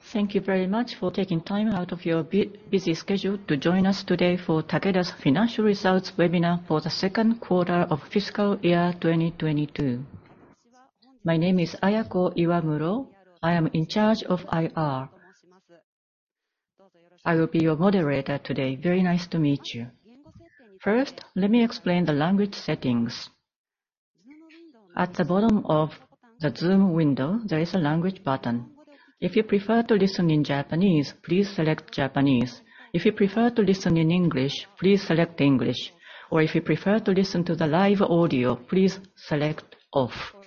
Thank you very much for taking time out of your busy schedule to join us today for Takeda's financial results webinar for the second quarter of fiscal year 2022. My name is Ayako Iwamuro. I am in charge of IR. I will be your moderator today. Very nice to meet you. First, let me explain the language settings. At the bottom of the Zoom window, there is a language button. If you prefer to listen in Japanese, please select Japanese. If you prefer to listen in English, please select English. Or if you prefer to listen to the live audio, please select off. For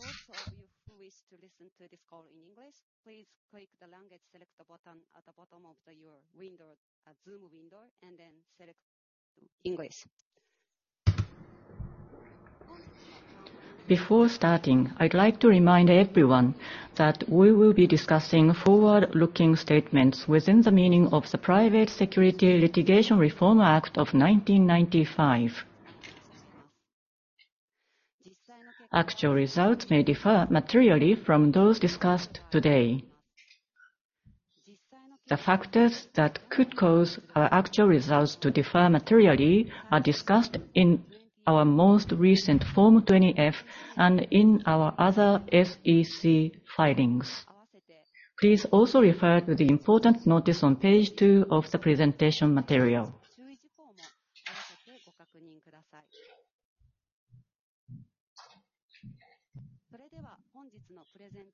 those of you who wish to listen to this call in English, please click the language select button at the bottom of your window, Zoom window, and then select English. Before starting, I'd like to remind everyone that we will be discussing forward-looking statements within the meaning of the Private Securities Litigation Reform Act of 1995. Actual results may differ materially from those discussed today. The factors that could cause actual results to differ materially are discussed in our most recent Form 20-F and in our other SEC filings. Please also refer to the important notice on page two of the presentation material.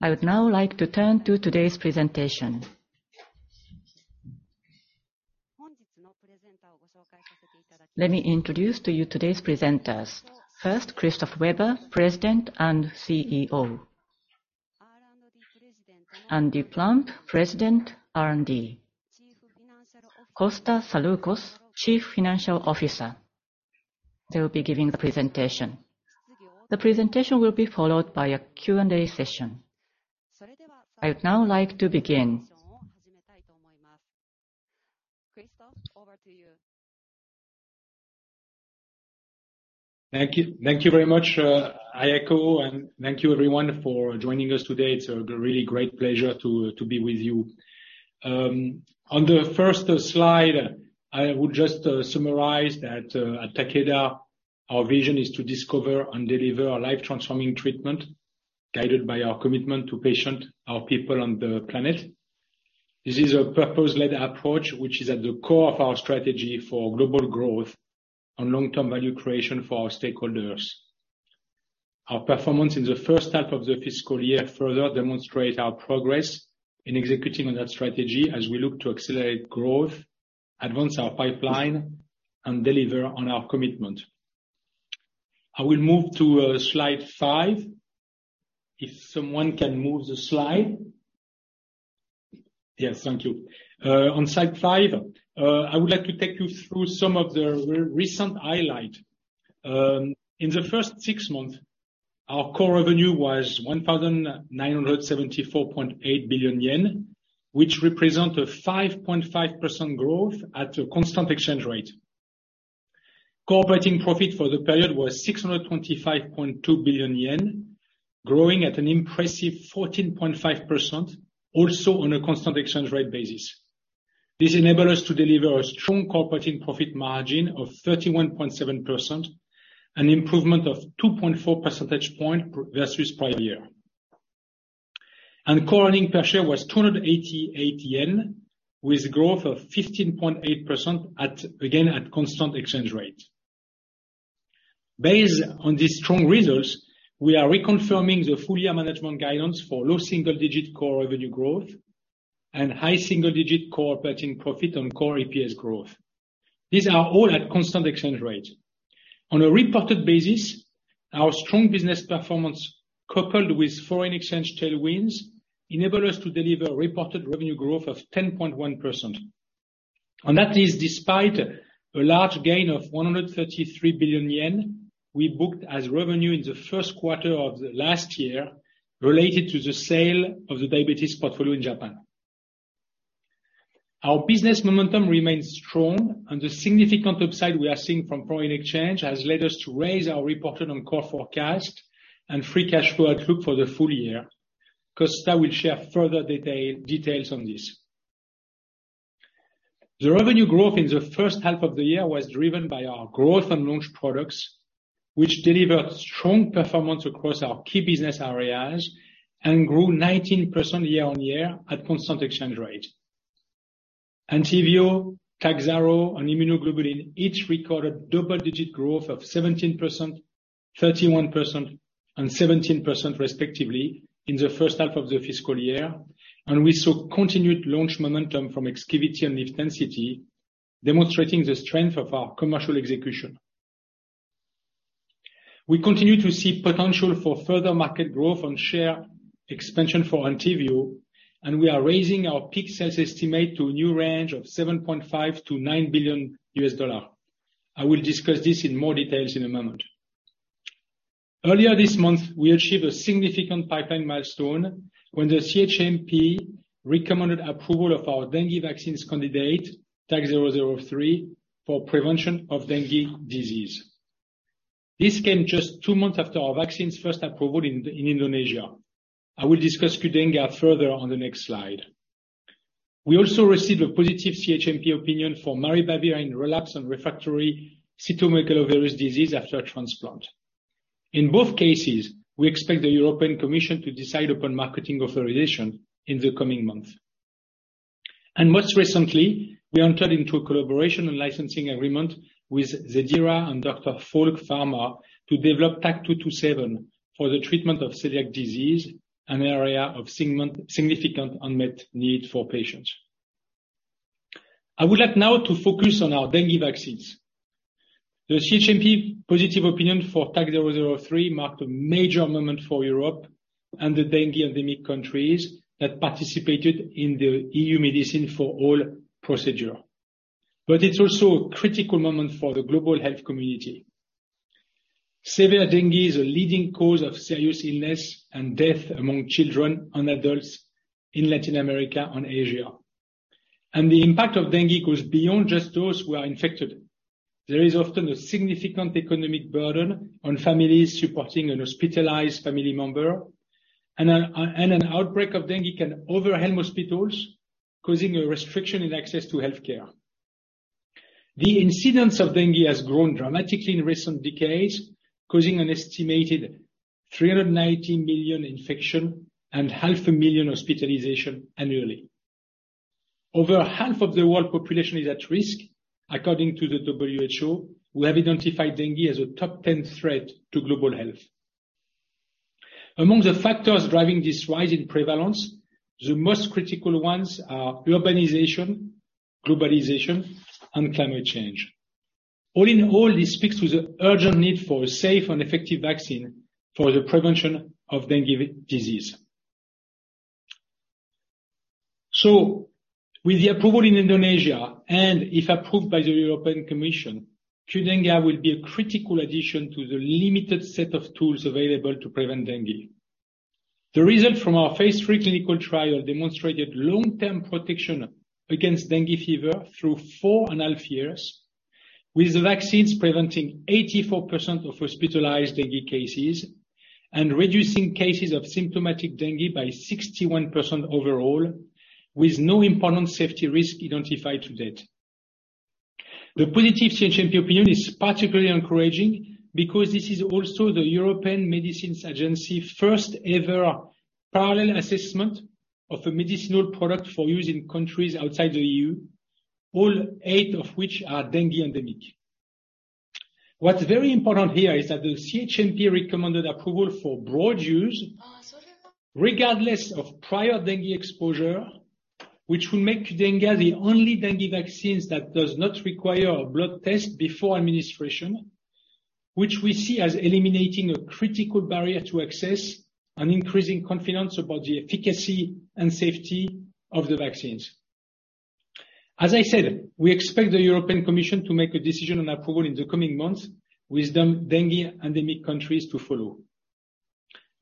I would now like to turn to today's presentation. Let me introduce to you today's presenters. First, Christophe Weber, President and CEO. Andy Plump, President, R&D. Costa Saroukos, Chief Financial Officer. They will be giving the presentation. The presentation will be followed by a Q&A session. I'd now like to begin. Christophe, over to you. Thank you. Thank you very much, Ayako, and thank you everyone for joining us today. It's a really great pleasure to be with you. On the first slide, I would just summarize that at Takeda, our vision is to discover and deliver a life-transforming treatment guided by our commitment to patient, our people on the planet. This is a purpose-led approach, which is at the core of our strategy for global growth and long-term value creation for our stakeholders. Our performance in the first half of the fiscal year further demonstrate our progress in executing on that strategy as we look to accelerate growth, advance our pipeline, and deliver on our commitment. I will move to slide five, if someone can move the slide. Yes. Thank you. On slide five, I would like to take you through some of the recent highlight. In the first six months, our core revenue was 1,974.8 billion yen, which represent a 5.5% growth at a constant exchange rate. Core profit for the period was 625.2 billion yen, growing at an impressive 14.5%, also on a constant exchange rate basis. This enable us to deliver a strong core profit margin of 31.7%, an improvement of 2.4 percentage point versus prior year. Core earning per share was 288 yen, with growth of 15.8% at, again, constant exchange rate. Based on these strong results, we are reconfirming the full year management guidance for low single digit core revenue growth and high single digit core profit and core EPS growth. These are all at constant exchange rate. On a reported basis, our strong business performance, coupled with foreign exchange tailwinds, enable us to deliver reported revenue growth of 10.1%. That is despite a large gain of 133 billion yen we booked as revenue in the first quarter of the last year related to the sale of the diabetes portfolio in Japan. Our business momentum remains strong and the significant upside we are seeing from foreign exchange has led us to raise our reported and core forecast and free cash flow outlook for the full year. Costa will share further details on this. The revenue growth in the first half of the year was driven by our growth and launch products, which delivered strong performance across our key business areas and grew 19% year-on-year at constant exchange rate. ENTYVIO, TAKHZYRO and immunoglobulin each recorded double-digit growth of 17%, 31%, and 17%, respectively, in the first half of the fiscal year. We saw continued launch momentum from EXKIVITY and LIVTENCITY, demonstrating the strength of our commercial execution. We continue to see potential for further market growth and share expansion for ENTYVIO, and we are raising our peak sales estimate to a new range of $7.5-$9 billion. I will discuss this in more details in a moment. Earlier this month, we achieved a significant pipeline milestone when the CHMP recommended approval of our dengue vaccine candidate, TAK-003, for prevention of dengue disease. This came just two months after our vaccine's first approval in Indonesia. I will discuss QDENGA further on the next slide. We also received a positive CHMP opinion for maribavir in relapse and refractory cytomegalovirus disease after a transplant. In both cases, we expect the European Commission to decide upon marketing authorization in the coming months. Most recently, we entered into a collaboration and licensing agreement with Zedira and Dr. Falk Pharma to develop TAK-227 for the treatment of celiac disease, an area of significant unmet need for patients. I would like now to focus on our dengue vaccines. The CHMP positive opinion for TAK-003 marked a major moment for Europe and the dengue endemic countries that participated in the EU-M4all procedure. It's also a critical moment for the global health community. Severe dengue is a leading cause of serious illness and death among children and adults in Latin America and Asia. The impact of dengue goes beyond just those who are infected. There is often a significant economic burden on families supporting a hospitalized family member and an outbreak of dengue can overwhelm hospitals, causing a restriction in access to health care. The incidence of dengue has grown dramatically in recent decades, causing an estimated 390 million infections and half a million hospitalizations annually. Over half of the world population is at risk, according to the WHO, who have identified dengue as a top 10 threat to global health. Among the factors driving this rise in prevalence, the most critical ones are urbanization, globalization, and climate change. All in all, this speaks to the urgent need for a safe and effective vaccine for the prevention of dengue disease. With the approval in Indonesia and if approved by the European Commission, QDENGA will be a critical addition to the limited set of tools available to prevent dengue. The result from our phase III clinical trial demonstrated long-term protection against dengue fever through four and a half years, with vaccines preventing 84% of hospitalized dengue cases and reducing cases of symptomatic dengue by 61% overall, with no important safety risk identified to date. The positive CHMP opinion is particularly encouraging because this is also the European Medicines Agency's first ever parallel assessment of a medicinal product for use in countries outside the EU, all eight of which are dengue endemic. What's very important here is that the CHMP recommended approval for broad use regardless of prior dengue exposure, which will make QDENGA the only dengue vaccine that does not require a blood test before administration, which we see as eliminating a critical barrier to access and increasing confidence about the efficacy and safety of the vaccines. As I said, we expect the European Commission to make a decision on approval in the coming months with the dengue endemic countries to follow.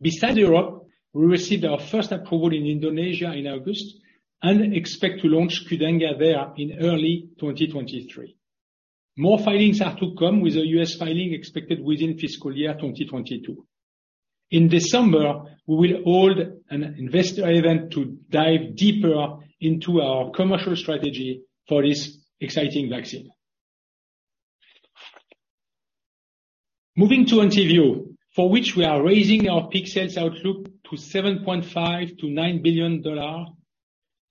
Besides Europe, we received our first approval in Indonesia in August and expect to launch QDENGA there in early 2023. More filings are to come, with the U.S. filing expected within fiscal year 2022. In December, we will hold an investor event to dive deeper into our commercial strategy for this exciting vaccine. Moving to ENTYVIO, for which we are raising our peak sales outlook to $7.5 billion-$9 billion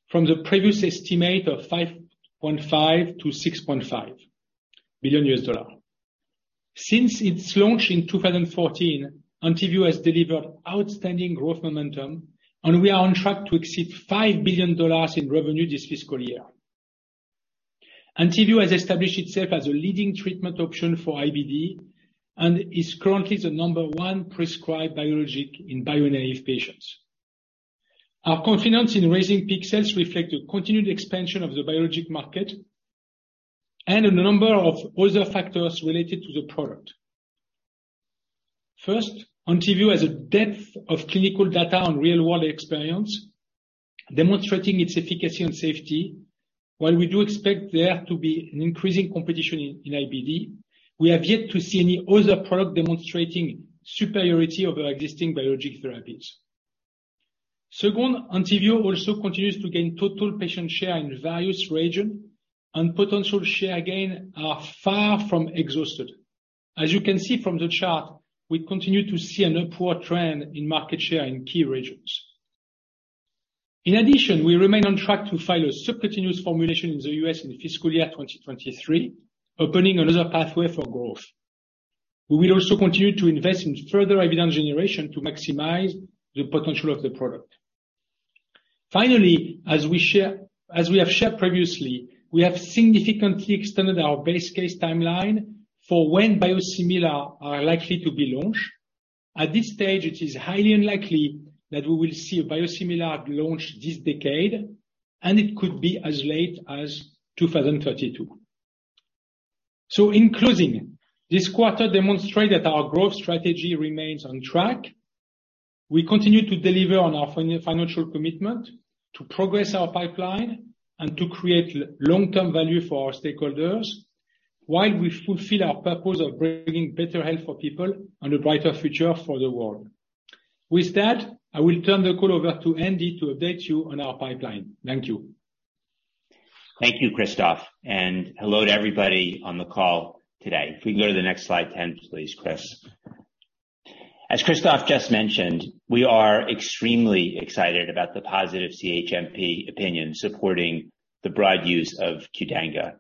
from the previous estimate of $5.5 billion-$6.5 billion. Since its launch in 2014, ENTYVIO has delivered outstanding growth momentum, and we are on track to exceed $5 billion in revenue this fiscal year. ENTYVIO has established itself as a leading treatment option for IBD and is currently the number one prescribed biologic in bio-naive patients. Our confidence in raising peak sales reflect the continued expansion of the biologic market and a number of other factors related to the product. First, ENTYVIO has a depth of clinical data on real-world experience demonstrating its efficacy and safety. While we do expect there to be an increasing competition in IBD, we have yet to see any other product demonstrating superiority over existing biologic therapies. Second, ENTYVIO also continues to gain total patient share in various region and potential share gain are far from exhausted. As you can see from the chart, we continue to see an upward trend in market share in key regions. In addition, we remain on track to file a subcutaneous formulation in the U.S. in fiscal year 2023, opening another pathway for growth. We will also continue to invest in further evidence generation to maximize the potential of the product. Finally, as we share, as we have shared previously, we have significantly extended our best-case timeline for when biosimilar are likely to be launched. At this stage, it is highly unlikely that we will see a biosimilar launch this decade, and it could be as late as 2032. In closing, this quarter demonstrated our growth strategy remains on track. We continue to deliver on our financial commitment to progress our pipeline and to create long-term value for our stakeholders while we fulfill our purpose of bringing better health for people and a brighter future for the world. With that, I will turn the call over to Andy to update you on our pipeline. Thank you. Thank you, Christophe, and hello to everybody on the call today. If we can go to the next slide 10, please, Chris. As Christophe just mentioned, we are extremely excited about the positive CHMP opinion supporting the broad use of QDENGA.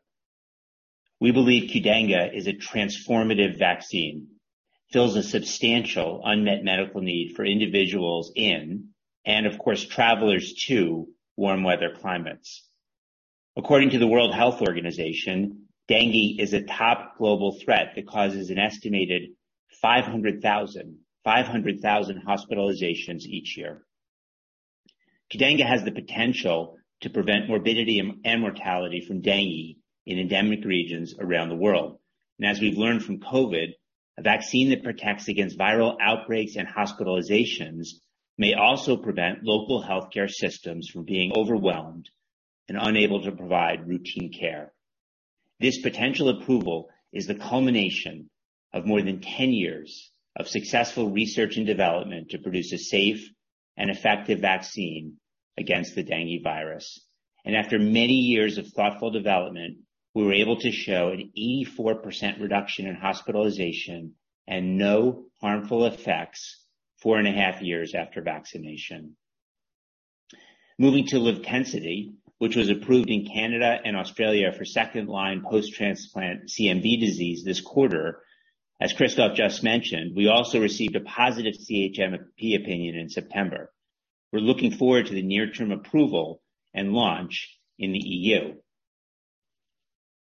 We believe QDENGA is a transformative vaccine, fills a substantial unmet medical need for individuals in, and of course travelers too, warm weather climates. According to the World Health Organization, dengue is a top global threat that causes an estimated 500,000 hospitalizations each year. QDENGA has the potential to prevent morbidity and mortality from dengue in endemic regions around the world. As we've learned from COVID, a vaccine that protects against viral outbreaks and hospitalizations may also prevent local healthcare systems from being overwhelmed and unable to provide routine care. This potential approval is the culmination of more than 10 years of successful research and development to produce a safe and effective vaccine against the dengue virus. After many years of thoughtful development, we were able to show an 84% reduction in hospitalization and no harmful effects four and a half years after vaccination. Moving to LIVTENCITY, which was approved in Canada and Australia for second-line post-transplant CMV disease this quarter. As Christophe just mentioned, we also received a positive CHMP opinion in September. We're looking forward to the near-term approval and launch in the EU.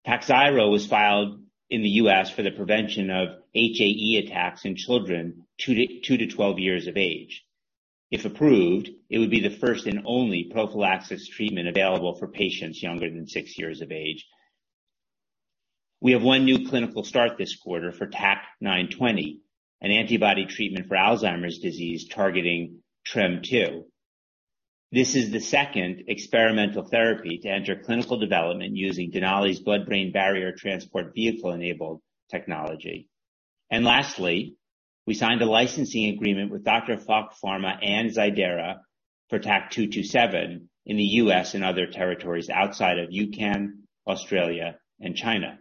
TAKHZYRO was filed in the U.S. for the prevention of HAE attacks in children two to 12 years of age. If approved, it would be the first and only prophylaxis treatment available for patients younger than six years of age. We have one new clinical start this quarter for TAK-920, an antibody treatment for Alzheimer's disease targeting TREM2. This is the second experimental therapy to enter clinical development using Denali's blood-brain barrier transport vehicle-enabled technology. Lastly, we signed a licensing agreement with Dr. Falk Pharma and Zedira for TAK-227 in the U.S. and other territories outside of U.K. and Australia and China.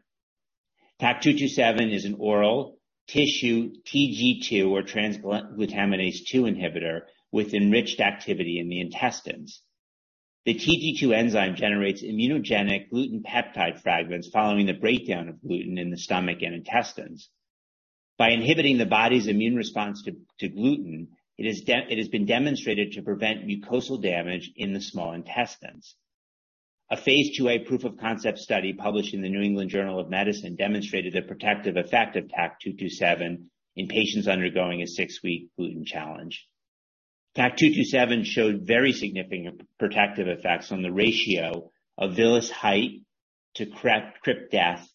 TAK-227 is an oral tissue TG2 or transglutaminase 2 inhibitor with enriched activity in the intestines. The TG2 enzyme generates immunogenic gluten peptide fragments following the breakdown of gluten in the stomach and intestines. By inhibiting the body's immune response to gluten, it has been demonstrated to prevent mucosal damage in the small intestines. A phase IIA proof of concept study published in the New England Journal of Medicine demonstrated the protective effect of TAK-227 in patients undergoing a six-week gluten challenge. TAK-227 showed very significant protective effects on the ratio of villous height to crypt depth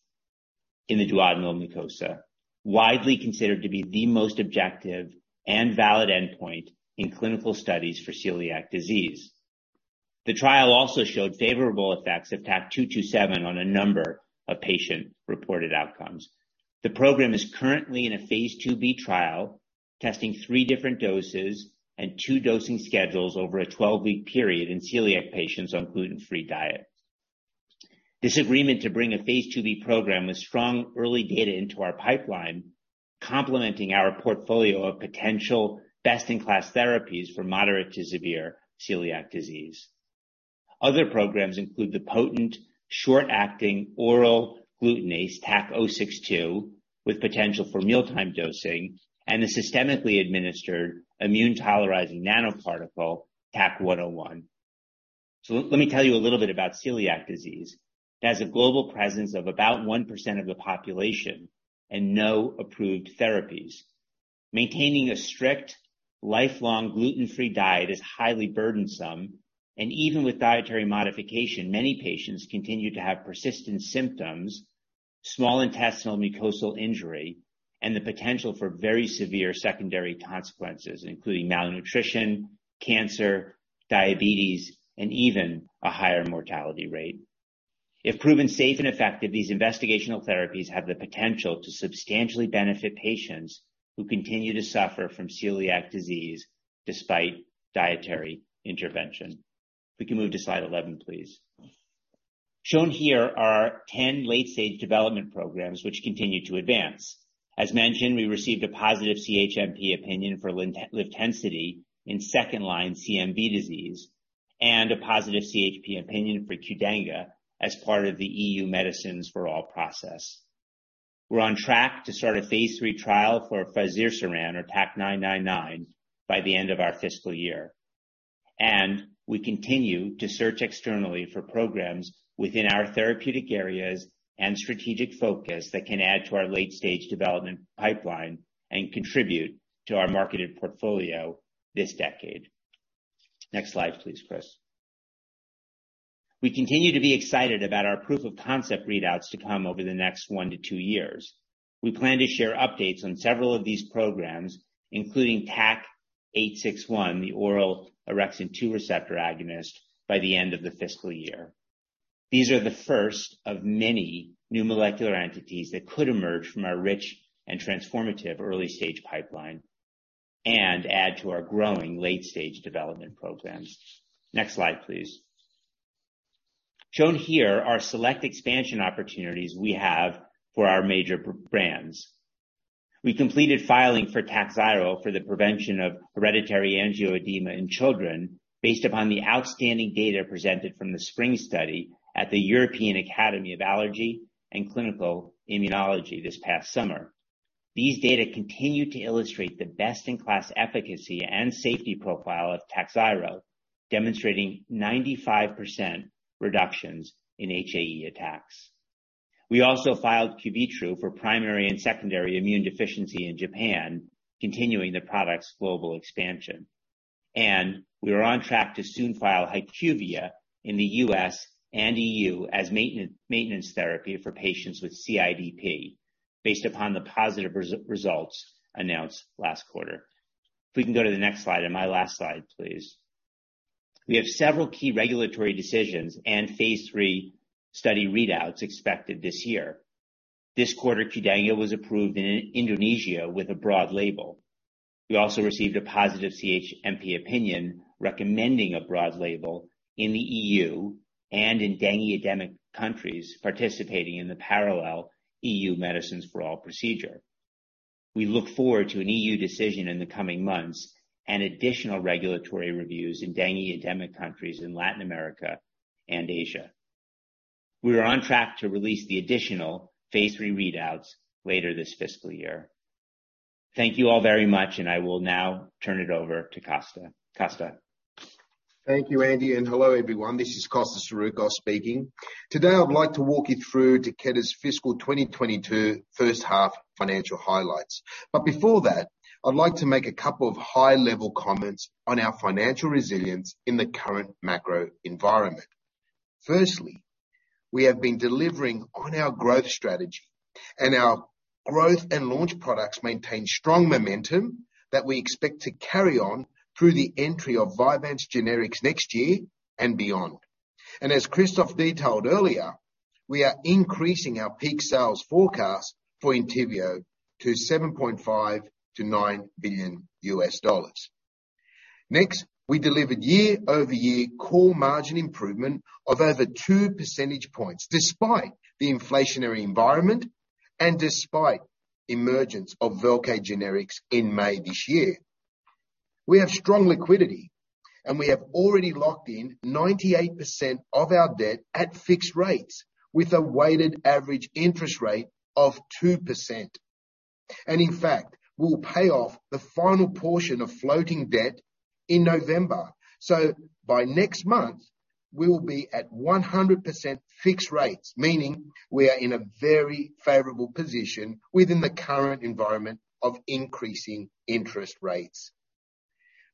in the duodenal mucosa, widely considered to be the most objective and valid endpoint in clinical studies for celiac disease. The trial also showed favorable effects of TAK-227 on a number of patient-reported outcomes. The program is currently in a phase IIB trial, testing three different doses and two dosing schedules over a 12-week period in celiac patients on gluten-free diet. This agreement to bring a phase IIB program with strong early data into our pipeline, complementing our portfolio of potential best-in-class therapies for moderate to severe celiac disease. Other programs include the potent short-acting oral glutenase TAK-062, with potential for mealtime dosing, and the systemically administered immune tolerizing nanoparticle, TAK-101. Let me tell you a little bit about celiac disease. It has a global presence of about 1% of the population and no approved therapies. Maintaining a strict lifelong gluten-free diet is highly burdensome, and even with dietary modification, many patients continue to have persistent symptoms, small intestinal mucosal injury, and the potential for very severe secondary consequences, including malnutrition, cancer, diabetes, and even a higher mortality rate. If proven safe and effective, these investigational therapies have the potential to substantially benefit patients who continue to suffer from celiac disease despite dietary intervention. If we can move to slide 11, please. Shown here are 10 late-stage development programs, which continue to advance. As mentioned, we received a positive CHMP opinion for LIVTENCITY in second-line CMV disease and a positive CHMP opinion for QDENGA as part of the EU-M4all process. We're on track to start a phase III trial for fazirsiran or TAK-999 by the end of our fiscal year. We continue to search externally for programs within our therapeutic areas and strategic focus that can add to our late-stage development pipeline and contribute to our marketed portfolio this decade. Next slide, please, Chris. We continue to be excited about our proof of concept readouts to come over the next one to two years. We plan to share updates on several of these programs, including TAK-861, the oral orexin 2 receptor agonist, by the end of the fiscal year. These are the first of many new molecular entities that could emerge from our rich and transformative early stage pipeline and add to our growing late-stage development programs. Next slide, please. Shown here are select expansion opportunities we have for our major P-brands. We completed filing for TAKHZYRO for the prevention of hereditary angioedema in children based upon the outstanding data presented from the SPRING study at the European Academy of Allergy and Clinical Immunology this past summer. These data continue to illustrate the best-in-class efficacy and safety profile of TAKHZYRO, demonstrating 95% reductions in HAE attacks. We also filed CUVITRU for primary and secondary immune deficiency in Japan, continuing the product's global expansion. We are on track to soon file HYQVIA in the U.S. and EU as maintenance therapy for patients with CIDP based upon the positive results announced last quarter. If we can go to the next slide and my last slide, please. We have several key regulatory decisions and phase III study readouts expected this year. This quarter, QDENGA was approved in Indonesia with a broad label. We also received a positive CHMP opinion recommending a broad label in the EU and in dengue endemic countries participating in the parallel EU Medicines for All procedure. We look forward to an EU decision in the coming months and additional regulatory reviews in dengue endemic countries in Latin America and Asia. We are on track to release the additional phase III readouts later this fiscal year. Thank you all very much, and I will now turn it over to Costa. Costa? Thank you, Andy, and hello, everyone. This is Costa Saroukos speaking. Today I'd like to walk you through Takeda's fiscal 2022 first half financial highlights. Before that, I'd like to make a couple of high-level comments on our financial resilience in the current macro environment. Firstly, we have been delivering on our growth strategy, and our growth and launch products maintain strong momentum that we expect to carry on through the entry of Vyvanse generics next year and beyond. As Christophe detailed earlier, we are increasing our peak sales forecast for ENTYVIO to $7.5 billion-$9 billion. Next, we delivered year-over-year core margin improvement of over 2 percentage points despite the inflationary environment and despite emergence of VELCADE generics in May this year. We have strong liquidity, and we have already locked in 98% of our debt at fixed rates with a weighted average interest rate of 2%. In fact, we'll pay off the final portion of floating debt in November. By next month, we will be at 100% fixed rates, meaning we are in a very favorable position within the current environment of increasing interest rates.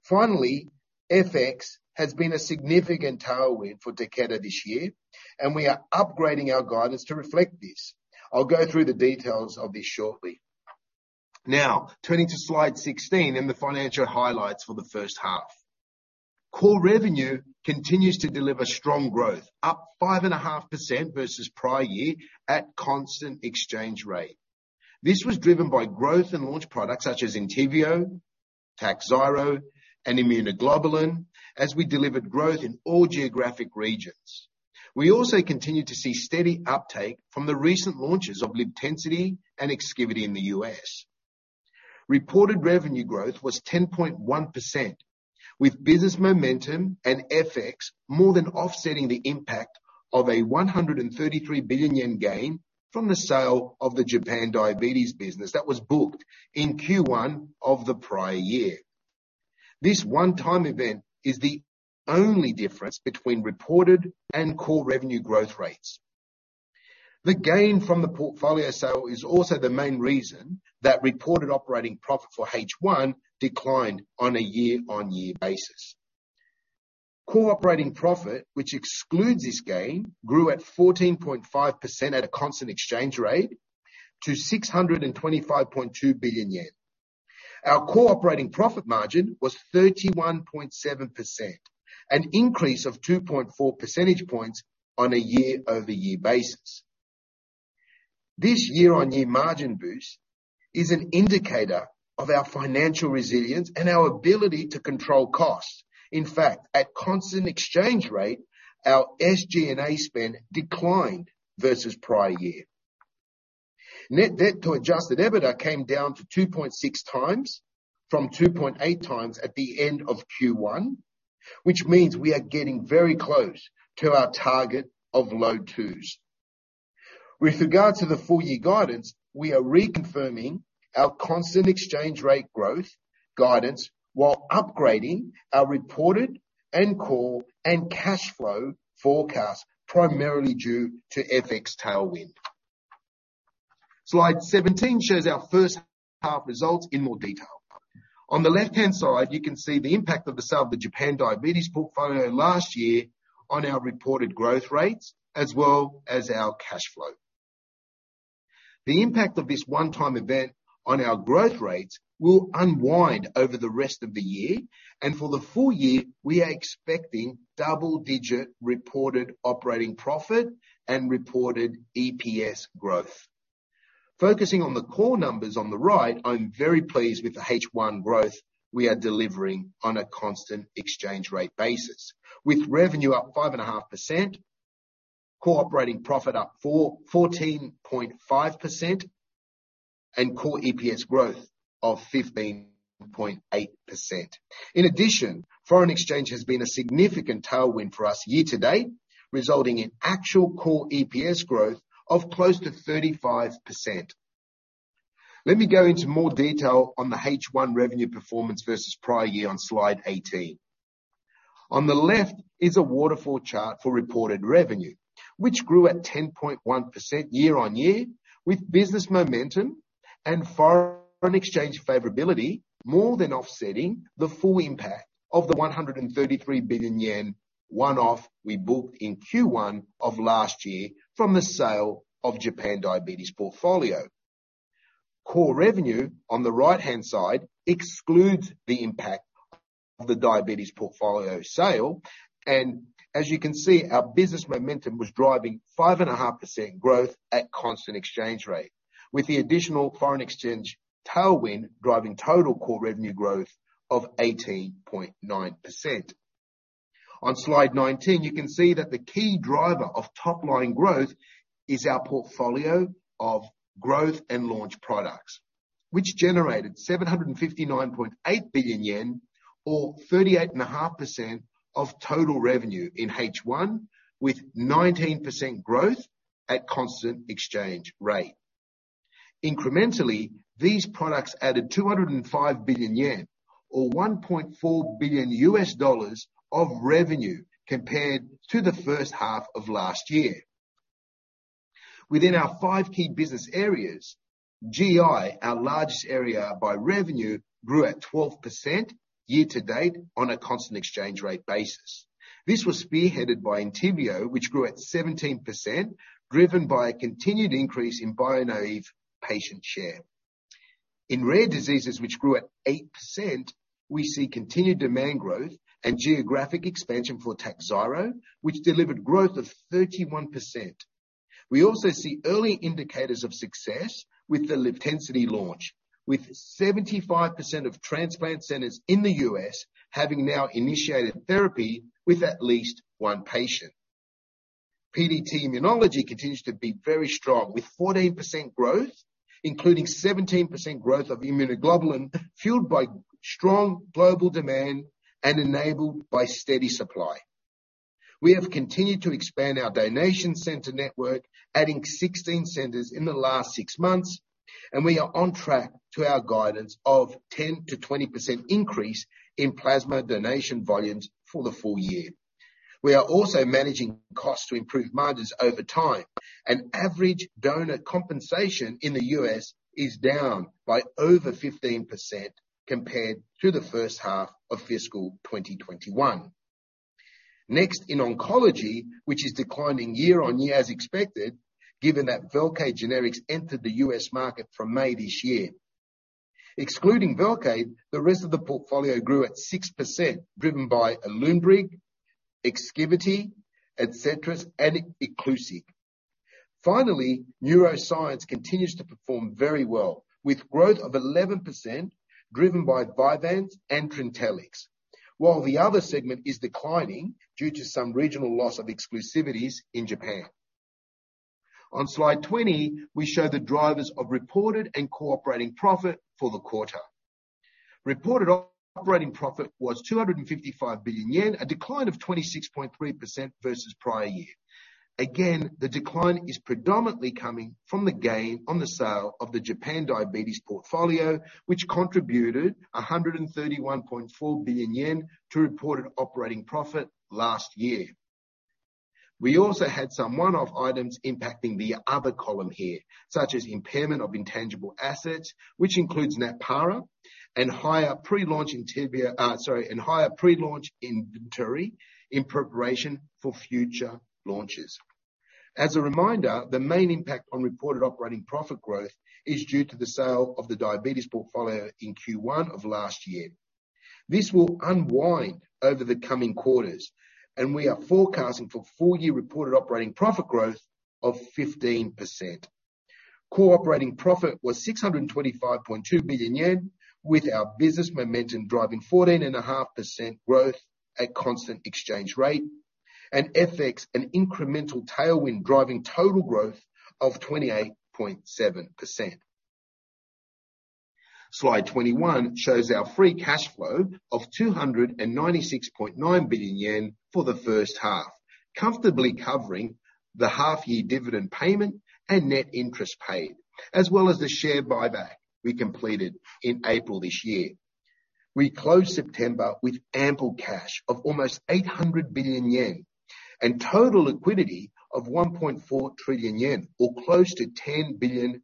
Finally, FX has been a significant tailwind for Takeda this year, and we are upgrading our guidance to reflect this. I'll go through the details of this shortly. Now, turning to slide 16 in the financial highlights for the first half. Core revenue continues to deliver strong growth, up 5.5% versus prior year at constant exchange rate. This was driven by growth in launch products such as ENTYVIO, TAKHZYRO and immunoglobulin, as we delivered growth in all geographic regions. We also continued to see steady uptake from the recent launches of LIVTENCITY and EXKIVITY in the U.S. Reported revenue growth was 10.1%, with business momentum and FX more than offsetting the impact of a 133 billion yen gain from the sale of the Japan diabetes business that was booked in Q1 of the prior year. This one-time event is the only difference between reported and core revenue growth rates. The gain from the portfolio sale is also the main reason that reported operating profit for H1 declined on a year-on-year basis. Core operating profit, which excludes this gain, grew at 14.5% at a constant exchange rate to 625.2 billion yen. Our core operating profit margin was 31.7%, an increase of 2.4 percentage points on a year-over-year basis. This year-over-year margin boost is an indicator of our financial resilience and our ability to control costs. In fact, at constant exchange rate, our SG&A spend declined versus prior year. Net debt to adjusted EBITDA came down to 2.6x from 2.8x at the end of Q1, which means we are getting very close to our target of low twos. With regard to the full year guidance, we are reconfirming our constant exchange rate growth guidance while upgrading our reported and core and cash flow forecast primarily due to FX tailwind. Slide 17 shows our first half results in more detail. On the left-hand side, you can see the impact of the sale of the Japan diabetes portfolio last year on our reported growth rates, as well as our cash flow. The impact of this one-time event on our growth rates will unwind over the rest of the year. For the full year, we are expecting double digit reported operating profit and reported EPS growth. Focusing on the core numbers on the right, I'm very pleased with the H1 growth we are delivering on a constant exchange rate basis. With revenue up 5.5%, core operating profit up 14.5%, and core EPS growth of 15.8%. In addition, foreign exchange has been a significant tailwind for us year-to-date, resulting in actual core EPS growth of close to 35%. Let me go into more detail on the H1 revenue performance versus prior year on slide 18. On the left is a waterfall chart for reported revenue, which grew at 10.1% year-on-year, with business momentum and foreign exchange favorability more than offsetting the full impact of the 133 billion yen one-off we booked in Q1 of last year from the sale of Japan diabetes portfolio. Core revenue, on the right-hand side, excludes the impact of the diabetes portfolio sale. As you can see, our business momentum was driving 5.5% growth at constant exchange rate, with the additional foreign exchange tailwind driving total core revenue growth of 18.9%. On slide 19, you can see that the key driver of top-line growth is our portfolio of growth and launch products. Which generated 759.8 billion yen or 38.5% of total revenue in H1, with 19% growth at constant exchange rate. Incrementally, these products added 205 billion yen or $1.4 billion of revenue compared to the first half of last year. Within our five key business areas, GI, our largest area by revenue, grew at 12% year-to-date on a constant exchange rate basis. This was spearheaded by ENTYVIO, which grew at 17%, driven by a continued increase in bio-naive patient share. In rare diseases, which grew at 8%, we see continued demand growth and geographic expansion for TAKHZYRO, which delivered growth of 31%. We also see early indicators of success with the LIVTENCITY launch, with 75% of transplant centers in the U.S. having now initiated therapy with at least one patient. PDT immunology continues to be very strong, with 14% growth, including 17% growth of immunoglobulin, fueled by strong global demand and enabled by steady supply. We have continued to expand our donation center network, adding 16 centers in the last six months, and we are on track to our guidance of 10%-20% increase in plasma donation volumes for the full year. We are also managing costs to improve margins over time. An average donor compensation in the U.S. is down by over 15% compared to the first half of fiscal 2021. Next, in oncology, which is declining year-on-year as expected, given that VELCADE generics entered the U.S. market from May this year. Excluding VELCADE, the rest of the portfolio grew at 6% driven by ALUNBRIG, EXKIVITY, ADCETRIS, and ICLUSIG. Finally, neuroscience continues to perform very well, with growth of 11% driven by Vyvanse and TRINTELLIX. While the other segment is declining due to some regional loss of exclusivities in Japan. On slide 20, we show the drivers of reported and core operating profit for the quarter. Reported operating profit was 255 billion yen, a decline of 26.3% versus prior year. Again, the decline is predominantly coming from the gain on the sale of the Japan diabetes portfolio, which contributed 131.4 billion yen to reported operating profit last year. We also had some one-off items impacting the other column here, such as impairment of intangible assets, which includes NATPARA and higher pre-launch ENTYVIO, and higher pre-launch inventory in preparation for future launches. As a reminder, the main impact on reported operating profit growth is due to the sale of the diabetes portfolio in Q1 of last year. This will unwind over the coming quarters, and we are forecasting for full-year reported operating profit growth of 15%. Core operating profit was 625.2 billion yen, with our business momentum driving 14.5% growth at constant exchange rate and FX, an incremental tailwind driving total growth of 28.7%. Slide 21 shows our free cash flow of 296.9 billion yen for the first half, comfortably covering the half-year dividend payment and net interest paid, as well as the share buyback we completed in April this year. We closed September with ample cash of almost 800 billion yen and total liquidity of 1.4 trillion yen or close to $10 billion.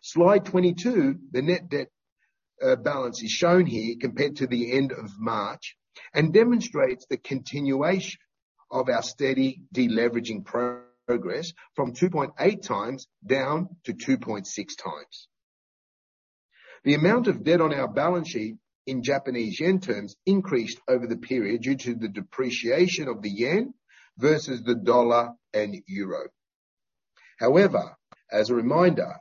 Slide 22, the net debt balance is shown here compared to the end of March and demonstrates the continuation of our steady deleveraging progress from 2.8x down to 2.6x. The amount of debt on our balance sheet in Japanese yen terms increased over the period due to the depreciation of the yen versus the dollar and euro. However, as a reminder,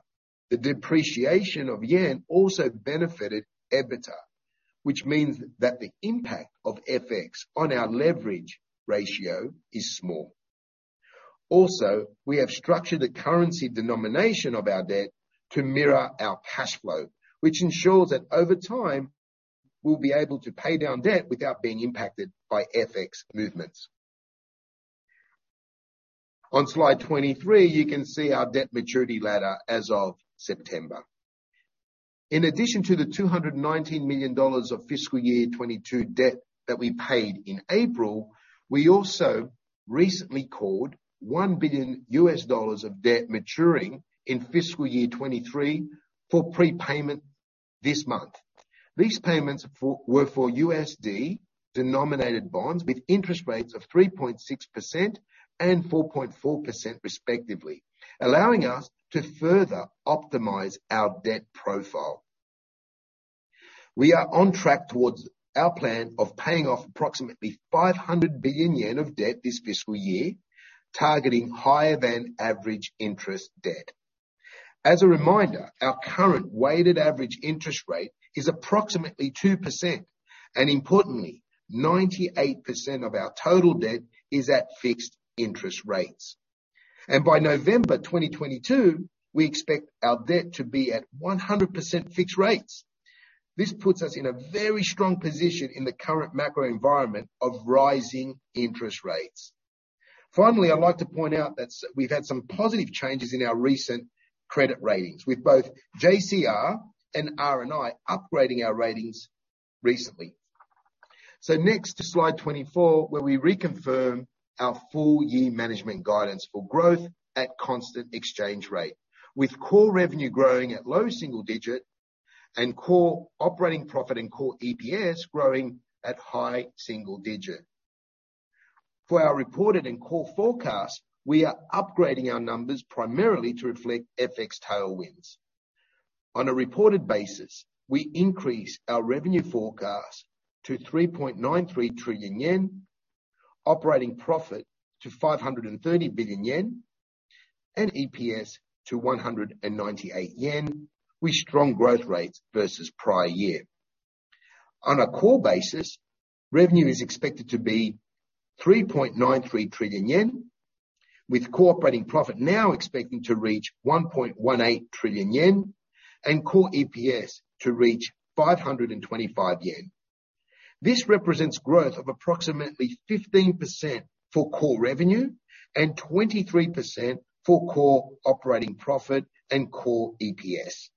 the depreciation of yen also benefited EBITDA, which means that the impact of FX on our leverage ratio is small. Also, we have structured the currency denomination of our debt to mirror our cash flow, which ensures that over time we'll be able to pay down debt without being impacted by FX movements. On slide 23, you can see our debt maturity ladder as of September. In addition to the $219 million of fiscal year 2022 debt that we paid in April, we also recently called $1 billion of debt maturing in fiscal year 2023 for prepayment this month. These payments were for USD denominated bonds with interest rates of 3.6% and 4.4% respectively, allowing us to further optimize our debt profile. We are on track towards our plan of paying off approximately 500 billion yen of debt this fiscal year, targeting higher than average interest debt. As a reminder, our current weighted average interest rate is approximately 2%. Importantly, 98% of our total debt is at fixed interest rates. By November 2022, we expect our debt to be at 100% fixed rates. This puts us in a very strong position in the current macro environment of rising interest rates. Finally, I'd like to point out that we've had some positive changes in our recent credit ratings with both JCR and R&I upgrading our ratings recently. Next to slide 24, where we reconfirm our full year management guidance for growth at constant exchange rate, with core revenue growing at low single-digit and core operating profit and core EPS growing at high single-digit. For our reported and core forecast, we are upgrading our numbers primarily to reflect FX tailwinds. On a reported basis, we increase our revenue forecast to 3.93 trillion yen, operating profit to 530 billion yen, and EPS to 198 yen, with strong growth rates versus prior year. On a core basis, revenue is expected to be 3.93 trillion yen, with core operating profit now expecting to reach 1.18 trillion yen and core EPS to reach 525 yen. This represents growth of approximately 15% for core revenue and 23% for core operating profit and core EPS.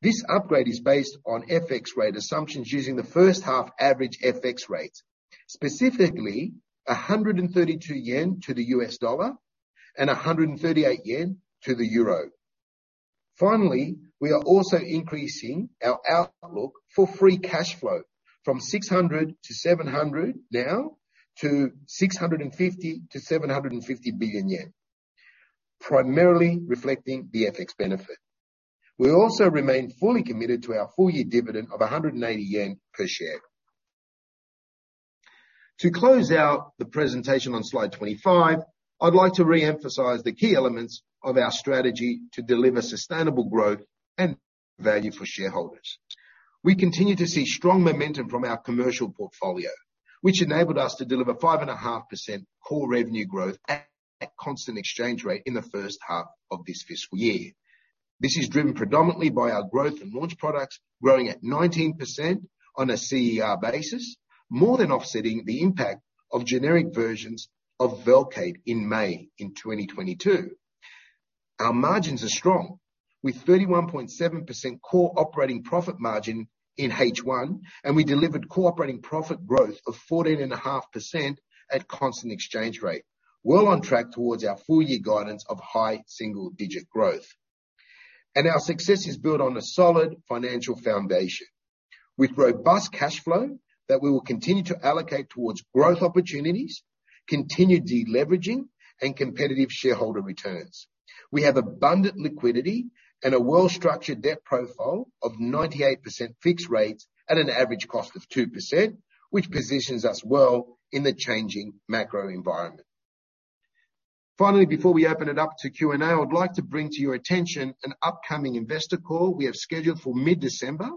This upgrade is based on FX rate assumptions using the first half average FX rates, specifically 132 yen to the U.S. dollar and 138 yen to the euro. Finally, we are also increasing our outlook for free cash flow from 600 billion-700 billion now to 650 billion-750 billion yen, primarily reflecting the FX benefit. We also remain fully committed to our full year dividend of 180 yen per share. To close out the presentation on slide 25, I'd like to re-emphasize the key elements of our strategy to deliver sustainable growth and value for shareholders. We continue to see strong momentum from our commercial portfolio, which enabled us to deliver 5.5% core revenue growth at constant exchange rate in the first half of this fiscal year. This is driven predominantly by our growth in launch products growing at 19% on a CER basis, more than offsetting the impact of generic versions of VELCADE in May 2022. Our margins are strong, with 31.7% core operating profit margin in H1, and we delivered core operating profit growth of 14.5% at constant exchange rate, well on track towards our full-year guidance of high single-digit growth. Our success is built on a solid financial foundation with robust cash flow that we will continue to allocate towards growth opportunities, continued deleveraging, and competitive shareholder returns. We have abundant liquidity and a well-structured debt profile of 98% fixed rates at an average cost of 2%, which positions us well in the changing macro environment. Finally, before we open it up to Q&A, I would like to bring to your attention an upcoming investor call we have scheduled for mid-December,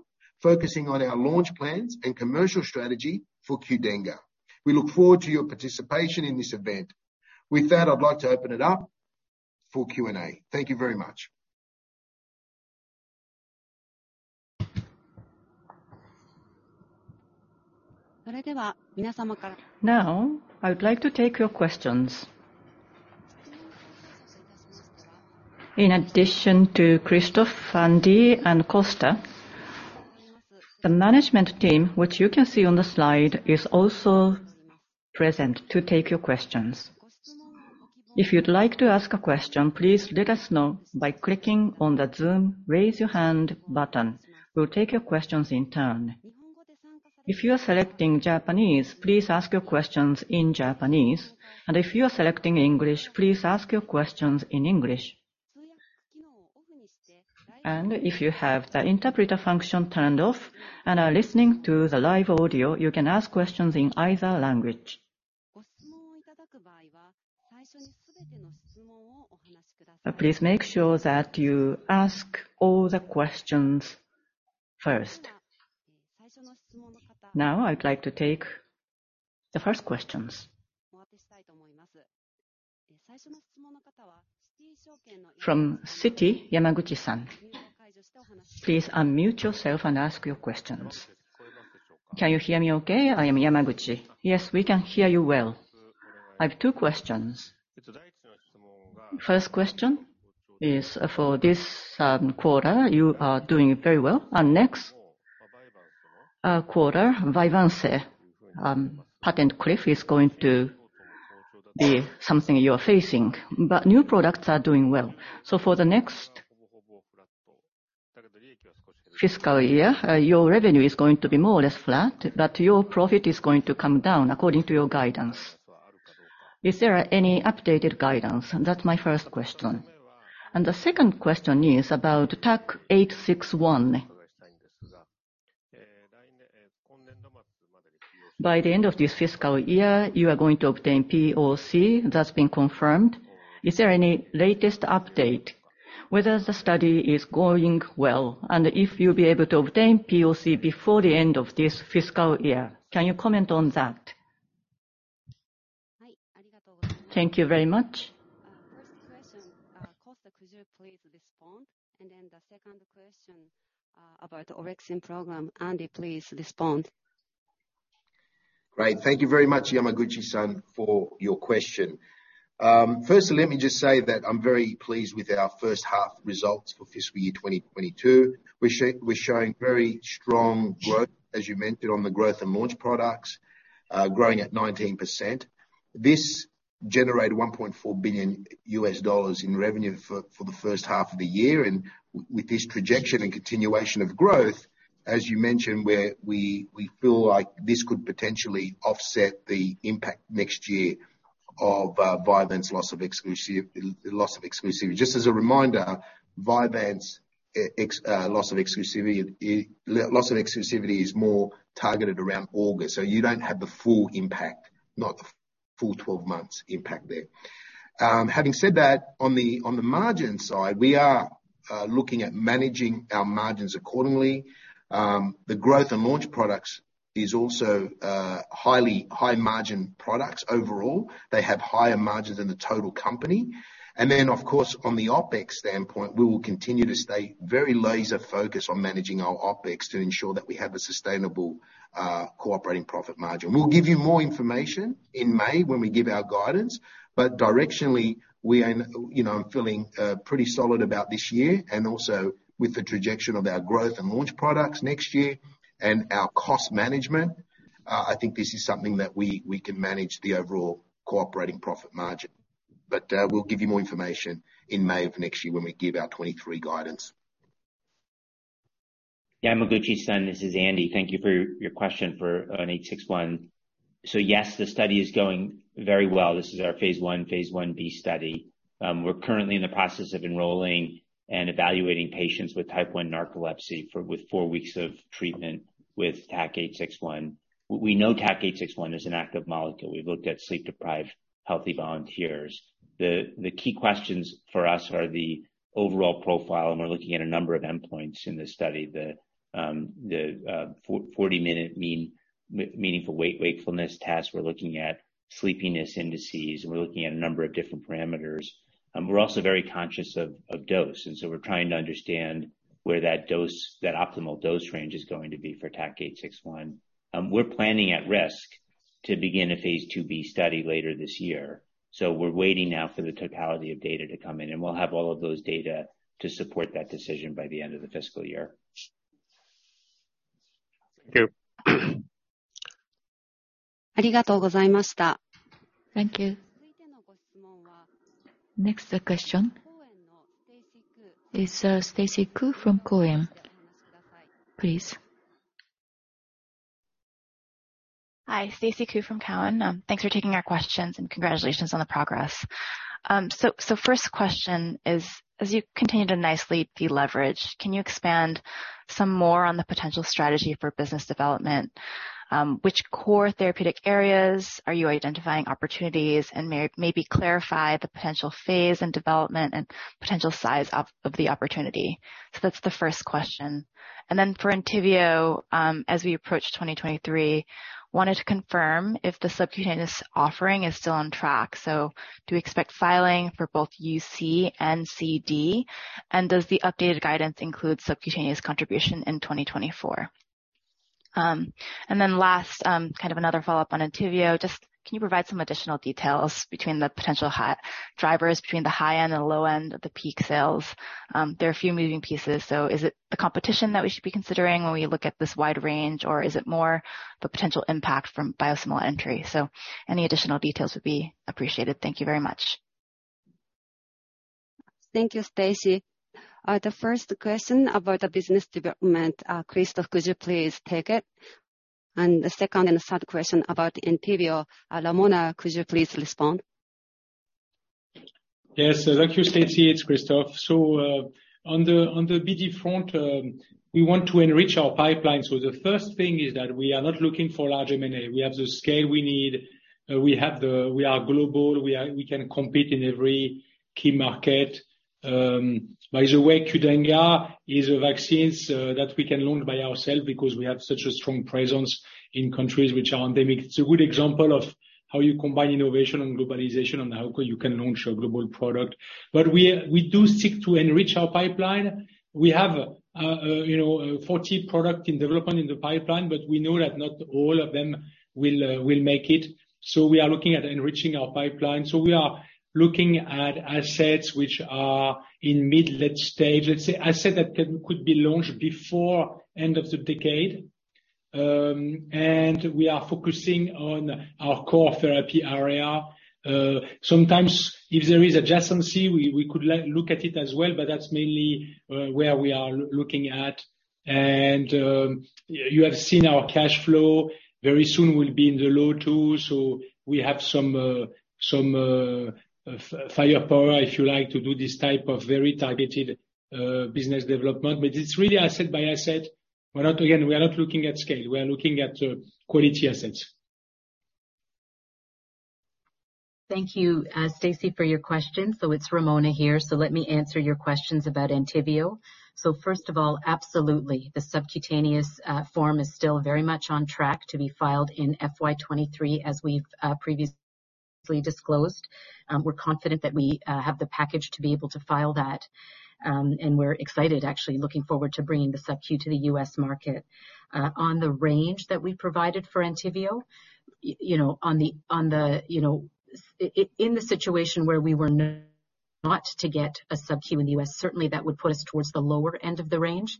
focusing on our launch plans and commercial strategy for QDENGA. We look forward to your participation in this event. With that, I'd like to open it up for Q&A. Thank you very much. Now, I would like to take your questions. In addition to Christophe, Andy and Costa, the management team, which you can see on the slide, is also present to take your questions. If you'd like to ask a question, please let us know by clicking on the Zoom Raise Your Hand button. We'll take your questions in turn. If you are selecting Japanese, please ask your questions in Japanese. If you are selecting English, please ask your questions in English. If you have the interpreter function turned off and are listening to the live audio, you can ask questions in either language. Please make sure that you ask all the questions first. Now I'd like to take the first questions. From Citi, Yamaguchi-san. Please unmute yourself and ask your questions. Can you hear me okay? I am Yamaguchi. Yes, we can hear you well. I have two questions. First question is for this quarter. You are doing very well. Next quarter, Vyvanse patent cliff is going to be something you're facing, but new products are doing well. For the next fiscal year, your revenue is going to be more or less flat, but your profit is going to come down according to your guidance. Is there any updated guidance? That's my first question. The second question is about TAK-861. By the end of this fiscal year, you are going to obtain POC. That's been confirmed. Is there any latest update whether the study is going well and if you'll be able to obtain POC before the end of this fiscal year? Can you comment on that? Thank you very much. First question, Costa Saroukos, please respond. Then the second question, about orexin program, Andy, please respond. Great. Thank you very much, Yamaguchi-san, for your question. First, let me just say that I'm very pleased with our first half results for fiscal year 2022. We're showing very strong growth, as you mentioned, on the growth and launch products, growing at 19%. This generated $1.4 billion in revenue for the first half of the year. With this projection and continuation of growth, as you mentioned, we feel like this could potentially offset the impact next year of Vyvanse loss of exclusivity. Just as a reminder, Vyvanse loss of exclusivity is more targeted around August, so you don't have the full impact, not the full 12 months impact there. Having said that, on the margin side, we are looking at managing our margins accordingly. The growth and launch products is also high margin products overall. They have higher margin than the total company. Then, of course, on the OpEx standpoint, we will continue to stay very laser focused on managing our OpEx to ensure that we have a sustainable operating profit margin. We'll give you more information in May when we give our guidance, but directionally, we are, you know, feeling pretty solid about this year and also with the trajectory of our growth and launch products next year and our cost management. I think this is something that we can manage the overall operating profit margin. We'll give you more information in May of next year when we give our 2023 guidance. Yamaguchi-san, this is Andy. Thank you for your question on TAK-861. Yes, the study is going very well. This is our phase I, phase IB study. We're currently in the process of enrolling and evaluating patients with type 1 narcolepsy with four weeks of treatment with TAK-861. We know TAK-861 is an active molecule. We've looked at sleep-deprived healthy volunteers. The key questions for us are the overall profile, and we're looking at a number of endpoints in this study. The 40-minute maintenance of wakefulness test. We're looking at sleepiness indices, and we're looking at a number of different parameters. We're also very conscious of dose, and we're trying to understand where that optimal dose range is going to be for TAK-861. We're planning at risk to begin a phase IIB study later this year. We're waiting now for the totality of data to come in, and we'll have all of those data to support that decision by the end of the fiscal year. Thank you. Thank you. Next question is, Stacy Ku from Cowen. Please. Hi. Stacy Ku from Cowen. Thanks for taking our questions and congratulations on the progress. So first question is, as you continue to nicely deleverage, can you expand some more on the potential strategy for business development? Which core therapeutic areas are you identifying opportunities? And maybe clarify the potential phase and development and potential size of the opportunity. That's the first question. Then for ENTYVIO, as we approach 2023, wanted to confirm if the subcutaneous offering is still on track. Do we expect filing for both UC and CD? And does the updated guidance include subcutaneous contribution in 2024? Then last, kind of another follow-up on ENTYVIO. Just can you provide some additional details between the potential key drivers between the high end and the low end of the peak sales? There are a few moving pieces, so is it the competition that we should be considering when we look at this wide range, or is it more the potential impact from biosimilar entry? Any additional details would be appreciated. Thank you very much. Thank you, Stacy. The first question about the business development, Christophe, could you please take it? The second and third question about ENTYVIO, Ramona, could you please respond? Yes. Thank you, Stacy. It's Christophe. On the BD front, we want to enrich our pipeline. The first thing is that we are not looking for large M&A. We have the scale we need. We are global. We can compete in every key market. By the way, QDENGA is a vaccine that we can launch by ourselves because we have such a strong presence in countries which are endemic. It's a good example of how you combine innovation and globalization, and how you can launch a global product. We do seek to enrich our pipeline. We have, you know, 40 products in development in the pipeline, but we know that not all of them will make it. We are looking at enriching our pipeline. We are looking at assets which are in mid, late stage, let's say asset that could be launched before end of the decade. We are focusing on our core therapy area. Sometimes if there is adjacency, we could look at it as well, but that's mainly where we are looking at. You have seen our cash flow. Very soon we'll be in the low 20s, so we have some firepower, if you like, to do this type of very targeted business development. But it's really asset by asset. We're not, again, we are not looking at scale. We are looking at quality assets. Thank you, Stacy, for your question. It's Ramona here. Let me answer your questions about ENTYVIO. First of all, absolutely, the subcutaneous form is still very much on track to be filed in FY 2023, as we've previously disclosed. We're confident that we have the package to be able to file that. We're excited, actually, looking forward to bringing the subQ to the U.S. market. On the range that we provided for ENTYVIO, you know, in the situation where we were not to get a subQ in the U.S., certainly that would put us towards the lower end of the range.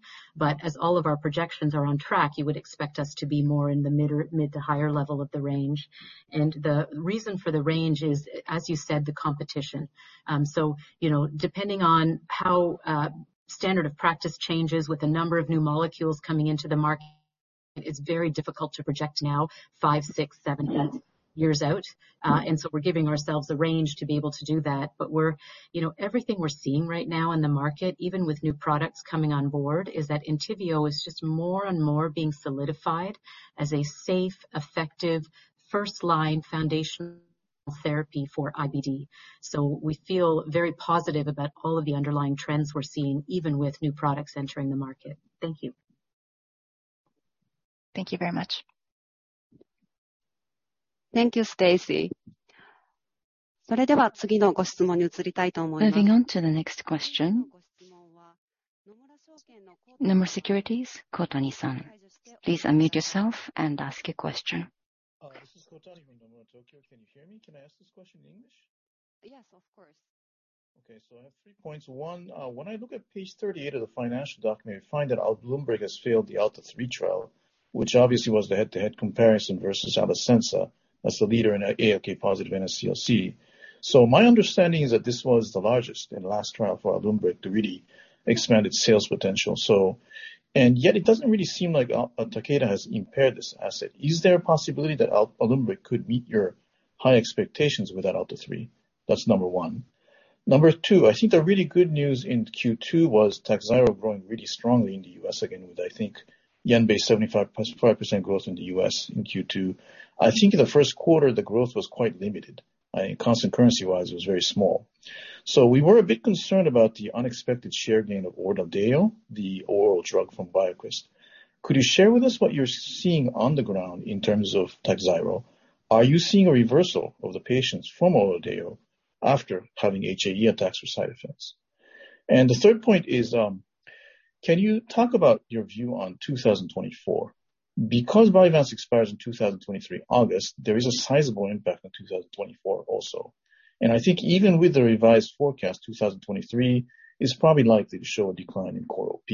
As all of our projections are on track, you would expect us to be more in the mid or mid to higher level of the range. The reason for the range is, as you said, the competition. You know, depending on how standard of practice changes with the number of new molecules coming into the market, it's very difficult to project now five, six, seven, eight years out. We're giving ourselves a range to be able to do that. We're, you know, everything we're seeing right now in the market, even with new products coming on board, is that ENTYVIO is just more and more being solidified as a safe, effective first-line foundational therapy for IBD. We feel very positive about all of the underlying trends we're seeing, even with new products entering the market. Thank you. Thank you very much. Thank you, Stacy. Moving on to the next question. Nomura Securities, Kotani-san. Please unmute yourself and ask your question. This is Kotani from Nomura, Tokyo. Can you hear me? Can I ask this question in English? Yes, of course. Okay. I have three points. One, when I look at page 38 of the financial document, I find that ALUNBRIG has failed the ALTA-3 trial, which obviously was the head-to-head comparison versus alectinib as the leader in ALK-positive NSCLC. My understanding is that this was the largest and last trial for ALUNBRIG to really expand its sales potential, yet it doesn't really seem like Takeda has impaired this asset. Is there a possibility that ALUNBRIG could meet your high expectations with that ALTA-3? That's number one. Number two, I think the really good news in Q2 was Takhzyro growing really strongly in the U.S. again, with I think yen-based 75.5% growth in the U.S. in Q2. I think in the first quarter, the growth was quite limited, and constant currency-wise, it was very small. We were a bit concerned about the unexpected share gain of ORLADEYO, the oral drug from BioCryst. Could you share with us what you're seeing on the ground in terms of TAKHZYRO? Are you seeing a reversal of the patients from ORLADEYO after having HAE attacks or side effects? The third point is, can you talk about your view on 2024? Because Vyvanse expires in August 2023, there is a sizable impact on 2024 also. I think even with the revised forecast, 2023 is probably likely to show a decline in core OP.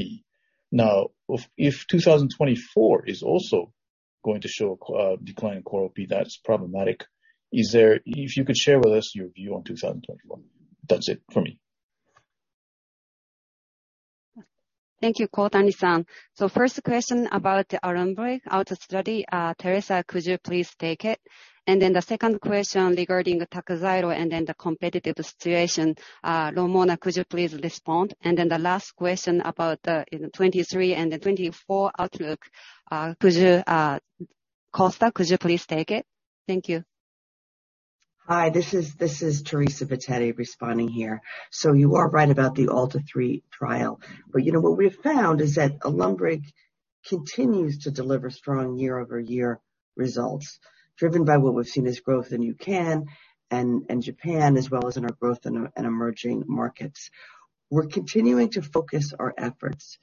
Now if 2024 is also going to show a decline in core OP, that's problematic. If you could share with us your view on 2024. That's it for me. Thank you, Kotani-san. First question about the ALUNBRIG ALTA study, Teresa, could you please take it? The second question regarding TAKHZYRO and then the competitive situation, Ramona, could you please respond? The last question about the you know 2023 and the 2024 outlook, could you, Costa, could you please take it? Thank you. Hi, this is Teresa Bitetti responding here. You are right about the ALTA-3 trial. You know, what we've found is that ALUNBRIG-. Continues to deliver strong year-over-year results, driven by what we've seen as growth in EUCAN and Japan, as well as in our growth in emerging markets. We're continuing to focus our efforts.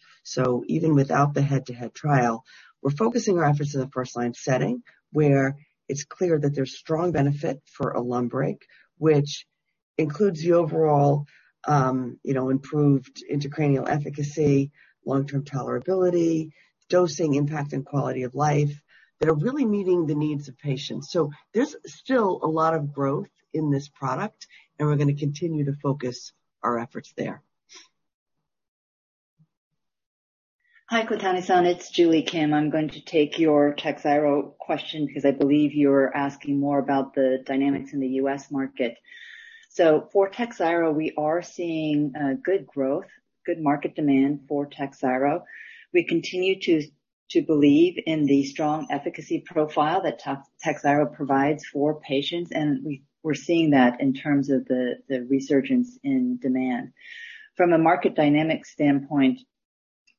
Even without the head-to-head trial, we're focusing our efforts in the first line setting, where it's clear that there's strong benefit for ALUNBRIG, which includes the overall, you know, improved intracranial efficacy, long-term tolerability, dosing impact, and quality of life, that are really meeting the needs of patients. There's still a lot of growth in this product, and we're gonna continue to focus our efforts there. Hi, Kotani-san, it's Julie Kim. I'm going to take your TAKHZYRO question because I believe you're asking more about the dynamics in the U.S. market. For TAKHZYRO, we are seeing good growth, good market demand for TAKHZYRO. We continue to believe in the strong efficacy profile that TAKHZYRO provides for patients, and we're seeing that in terms of the resurgence in demand. From a market dynamic standpoint,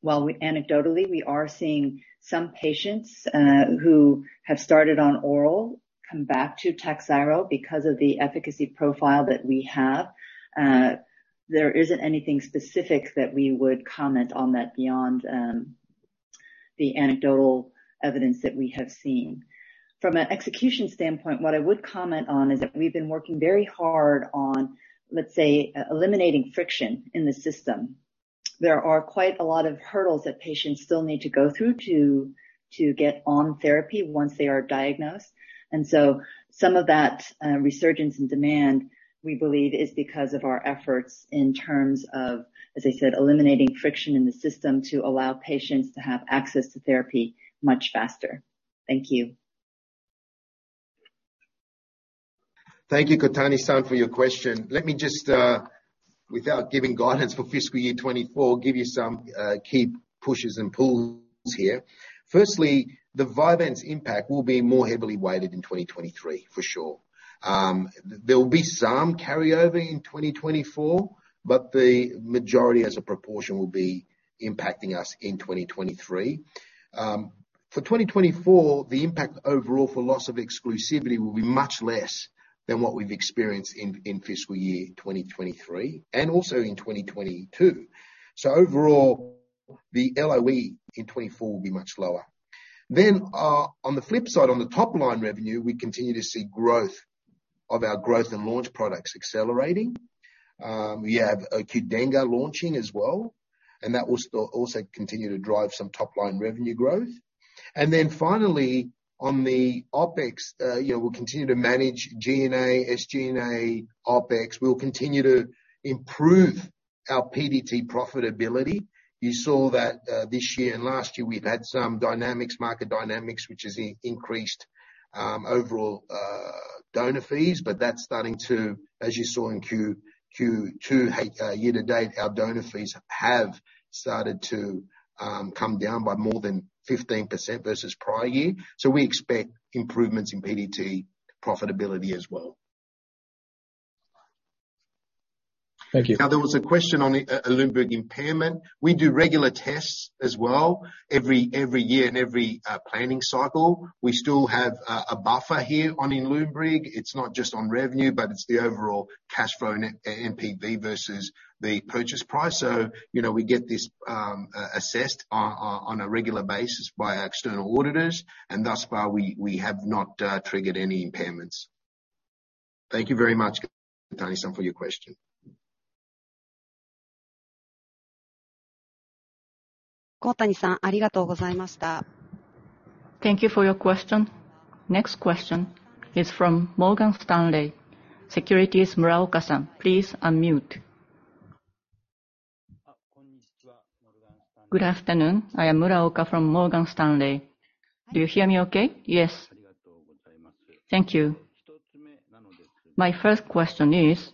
while anecdotally, we are seeing some patients who have started on oral come back to TAKHZYRO because of the efficacy profile that we have. There isn't anything specific that we would comment on that beyond the anecdotal evidence that we have seen. From an execution standpoint, what I would comment on is that we've been working very hard on, let's say, eliminating friction in the system. There are quite a lot of hurdles that patients still need to go through to get on therapy once they are diagnosed. Some of that resurgence in demand, we believe is because of our efforts in terms of, as I said, eliminating friction in the system to allow patients to have access to therapy much faster. Thank you. Thank you, Kotani-san, for your question. Let me just, without giving guidance for fiscal year 2024, give you some key pushes and pulls here. Firstly, the Vyvanse impact will be more heavily weighted in 2023, for sure. There will be some carry over in 2024, but the majority as a proportion will be impacting us in 2023. For 2024, the impact overall for loss of exclusivity will be much less than what we've experienced in fiscal year 2023 and also in 2022. Overall, the LOE in 2024 will be much lower. On the flip side, on the top line revenue, we continue to see growth of our growth and launch products accelerating. We have acute dengue launching as well, and that will still also continue to drive some top line revenue growth. Finally, on the OPEX, we'll continue to manage G&A, SG&A, OPEX. We'll continue to improve our PDT profitability. You saw that, this year and last year, we've had some dynamics, market dynamics, which has increased overall donor fees, but that's starting to, as you saw in Q2, year to date, our donor fees have started to come down by more than 15% versus prior year. We expect improvements in PDT profitability as well. Thank you. Now, there was a question on the ALUNBRIG impairment. We do regular tests as well every year and every planning cycle. We still have a buffer here on ALUNBRIG. It's not just on revenue, but it's the overall cash flow NPV versus the purchase price. You know, we get this assessed on a regular basis by our external auditors, and thus far, we have not triggered any impairments. Thank you very much, Kotani-san, for your question. Thank you for your question. Next question is from Morgan Stanley Securities, Muraoka-san. Please unmute. Good afternoon. I am Muraoka from Morgan Stanley. Do you hear me okay? Yes. Thank you. My first question is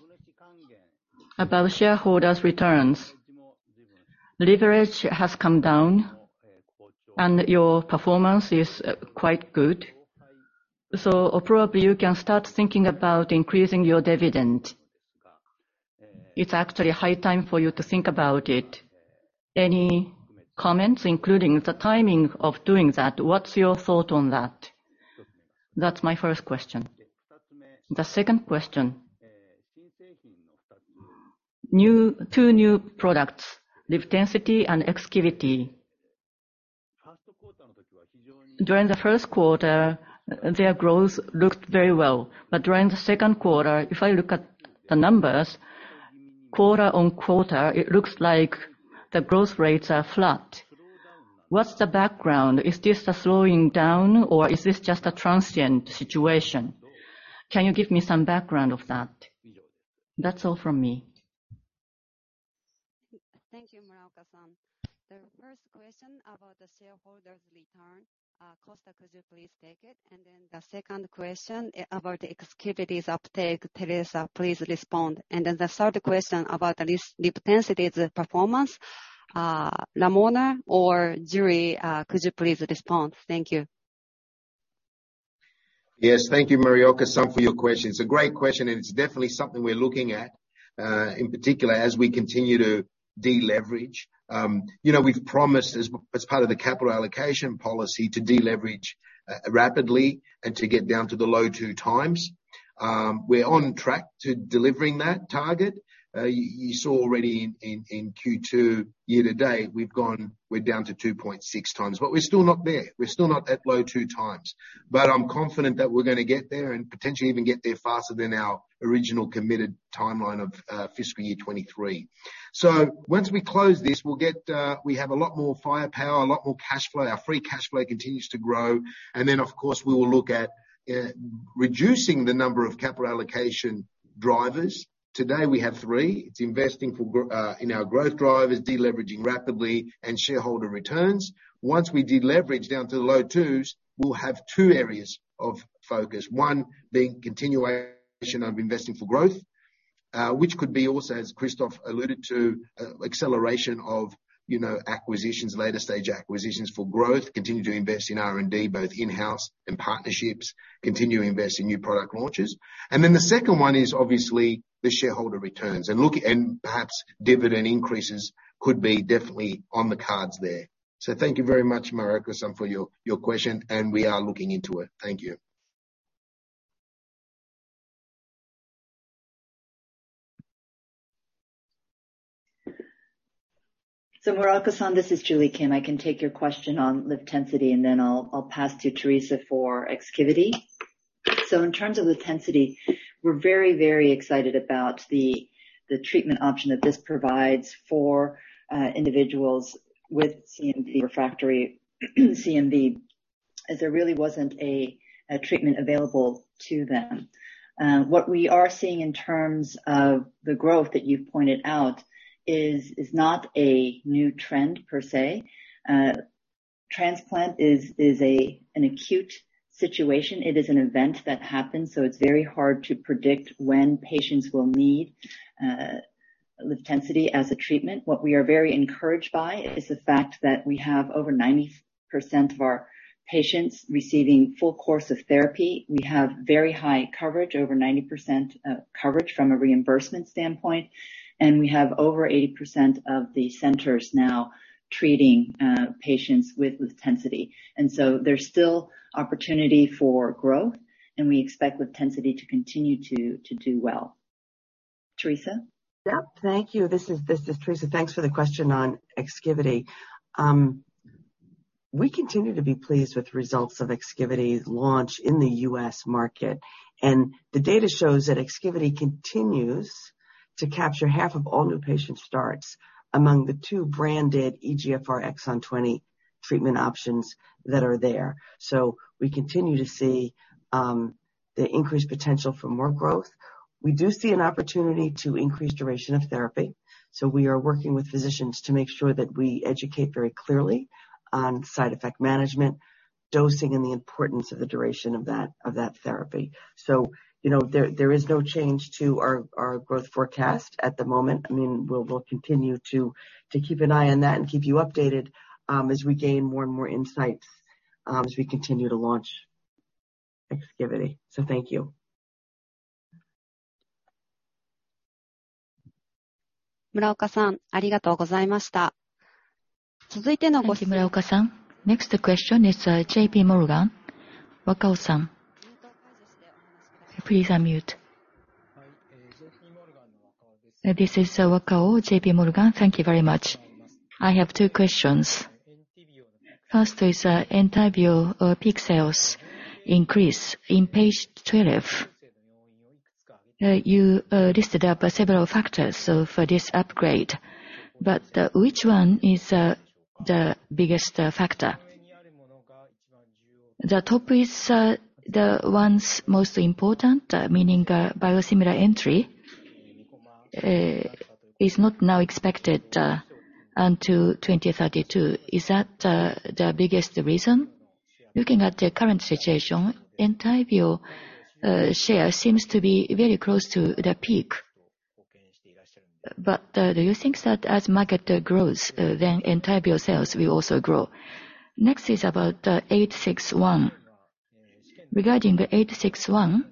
about shareholders' returns. Leverage has come down and your performance is quite good, so probably you can start thinking about increasing your dividend. It's actually high time for you to think about it. Any comments, including the timing of doing that? What's your thought on that? That's my first question. The second question, new, two new products, LIVTENCITY and EXKIVITY. During the first quarter, their growth looked very well. During the second quarter, if I look at the numbers quarter-on-quarter, it looks like the growth rates are flat. What's the background? Is this a slowing down or is this just a transient situation? Can you give me some background of that? That's all from me. Thank you, Muraoka-san. The first question about the shareholders' return, Costa, could you please take it? The second question about the EXKIVITY's uptake, Teresa, please respond. The third question about the LIVTENCITY's performance, Ramona or Julie, could you please respond? Thank you. Yes. Thank you, Muraoka-san, for your question. It's a great question, and it's definitely something we're looking at in particular as we continue to deleverage. You know, we've promised as part of the capital allocation policy to deleverage rapidly and to get down to the low 2x. We're on track to delivering that target. You saw already in Q2 year-to-date, we've gone. We're down to 2.6x. We're still not there. We're still not at low 2x. I'm confident that we're gonna get there and potentially even get there faster than our original committed timeline of fiscal year 2023. Once we close this, we'll get. We have a lot more firepower, a lot more cash flow. Our free cash flow continues to grow. Of course, we will look at reducing the number of capital allocation drivers. Today, we have three. It's investing in our growth drivers, deleveraging rapidly, and shareholder returns. Once we deleverage down to the low twos, we'll have two areas of focus. One being continuation of investing for growth, which could be also, as Christophe alluded to, acceleration of, you know, acquisitions, later stage acquisitions for growth, continue to invest in R&D, both in-house and partnerships, continue to invest in new product launches. The second one is obviously the shareholder returns. Look, perhaps dividend increases could be definitely on the cards there. Thank you very much, Muraoka-san, for your question, and we are looking into it. Thank you. Muraoka-san, this is Julie Kim. I can take your question on LIVTENCITY, and then I'll pass to Teresa for EXKIVITY. In terms of LIVTENCITY, we're very very excited about the treatment option that this provides for individuals with refractory CMV, as there really wasn't a treatment available to them. What we are seeing in terms of the growth that you pointed out is not a new trend per se. Transplant is an acute situation. It is an event that happens, so it's very hard to predict when patients will need LIVTENCITY as a treatment. What we are very encouraged by is the fact that we have over 90% of our patients receiving full course of therapy. We have very high coverage, over 90%, coverage from a reimbursement standpoint. We have over 80% of the centers now treating patients with LIVTENCITY. There's still opportunity for growth, and we expect LIVTENCITY to continue to do well. Teresa? Yep. Thank you. This is Teresa Bitetti. Thanks for the question on EXKIVITY. We continue to be pleased with results of EXKIVITY's launch in the U.S. market. The data shows that EXKIVITY continues to capture half of all new patient starts among the two branded EGFR exon 20 treatment options that are there. We continue to see the increased potential for more growth. We do see an opportunity to increase duration of therapy, so we are working with physicians to make sure that we educate very clearly on side effect management, dosing, and the importance of the duration of that therapy. You know, there is no change to our growth forecast at the moment. I mean, we'll continue to keep an eye on that and keep you updated, as we gain more and more insights, as we continue to launch EXKIVITY. Thank you. Thank you, Muraoka-san. Next question is, JPMorgan, Wakao-san. Please unmute. This is Wakao, JPMorgan. Thank you very much. I have two questions. First is ENTYVIO peak sales increase. In page 12, you listed up several factors for this upgrade. Which one is the biggest factor? The top is the ones most important, meaning biosimilar entry is not now expected until 2032. Is that the biggest reason? Looking at the current situation, ENTYVIO share seems to be very close to the peak. Do you think that as market grows, then ENTYVIO sales will also grow? Next is about 861. Regarding the 861,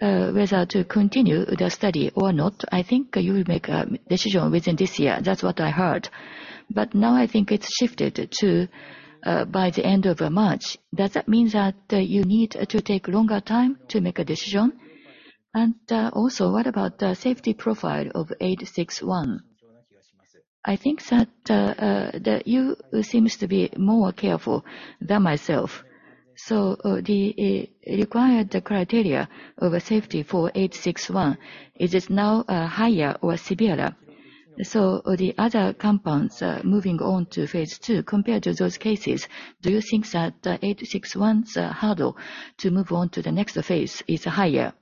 whether to continue the study or not, I think you will make a decision within this year. That's what I heard. Now I think it's shifted to, by the end of, March. Does that mean that, you need, to take longer time to make a decision? Also, what about the safety profile of eight six one? I think that you seems to be more careful than myself. The, required criteria of safety for eight six one, is it now, higher or severer? The other compounds, moving on to phase II, compared to those cases, do you think that, eight six one's hurdle to move on to the next phase is higher?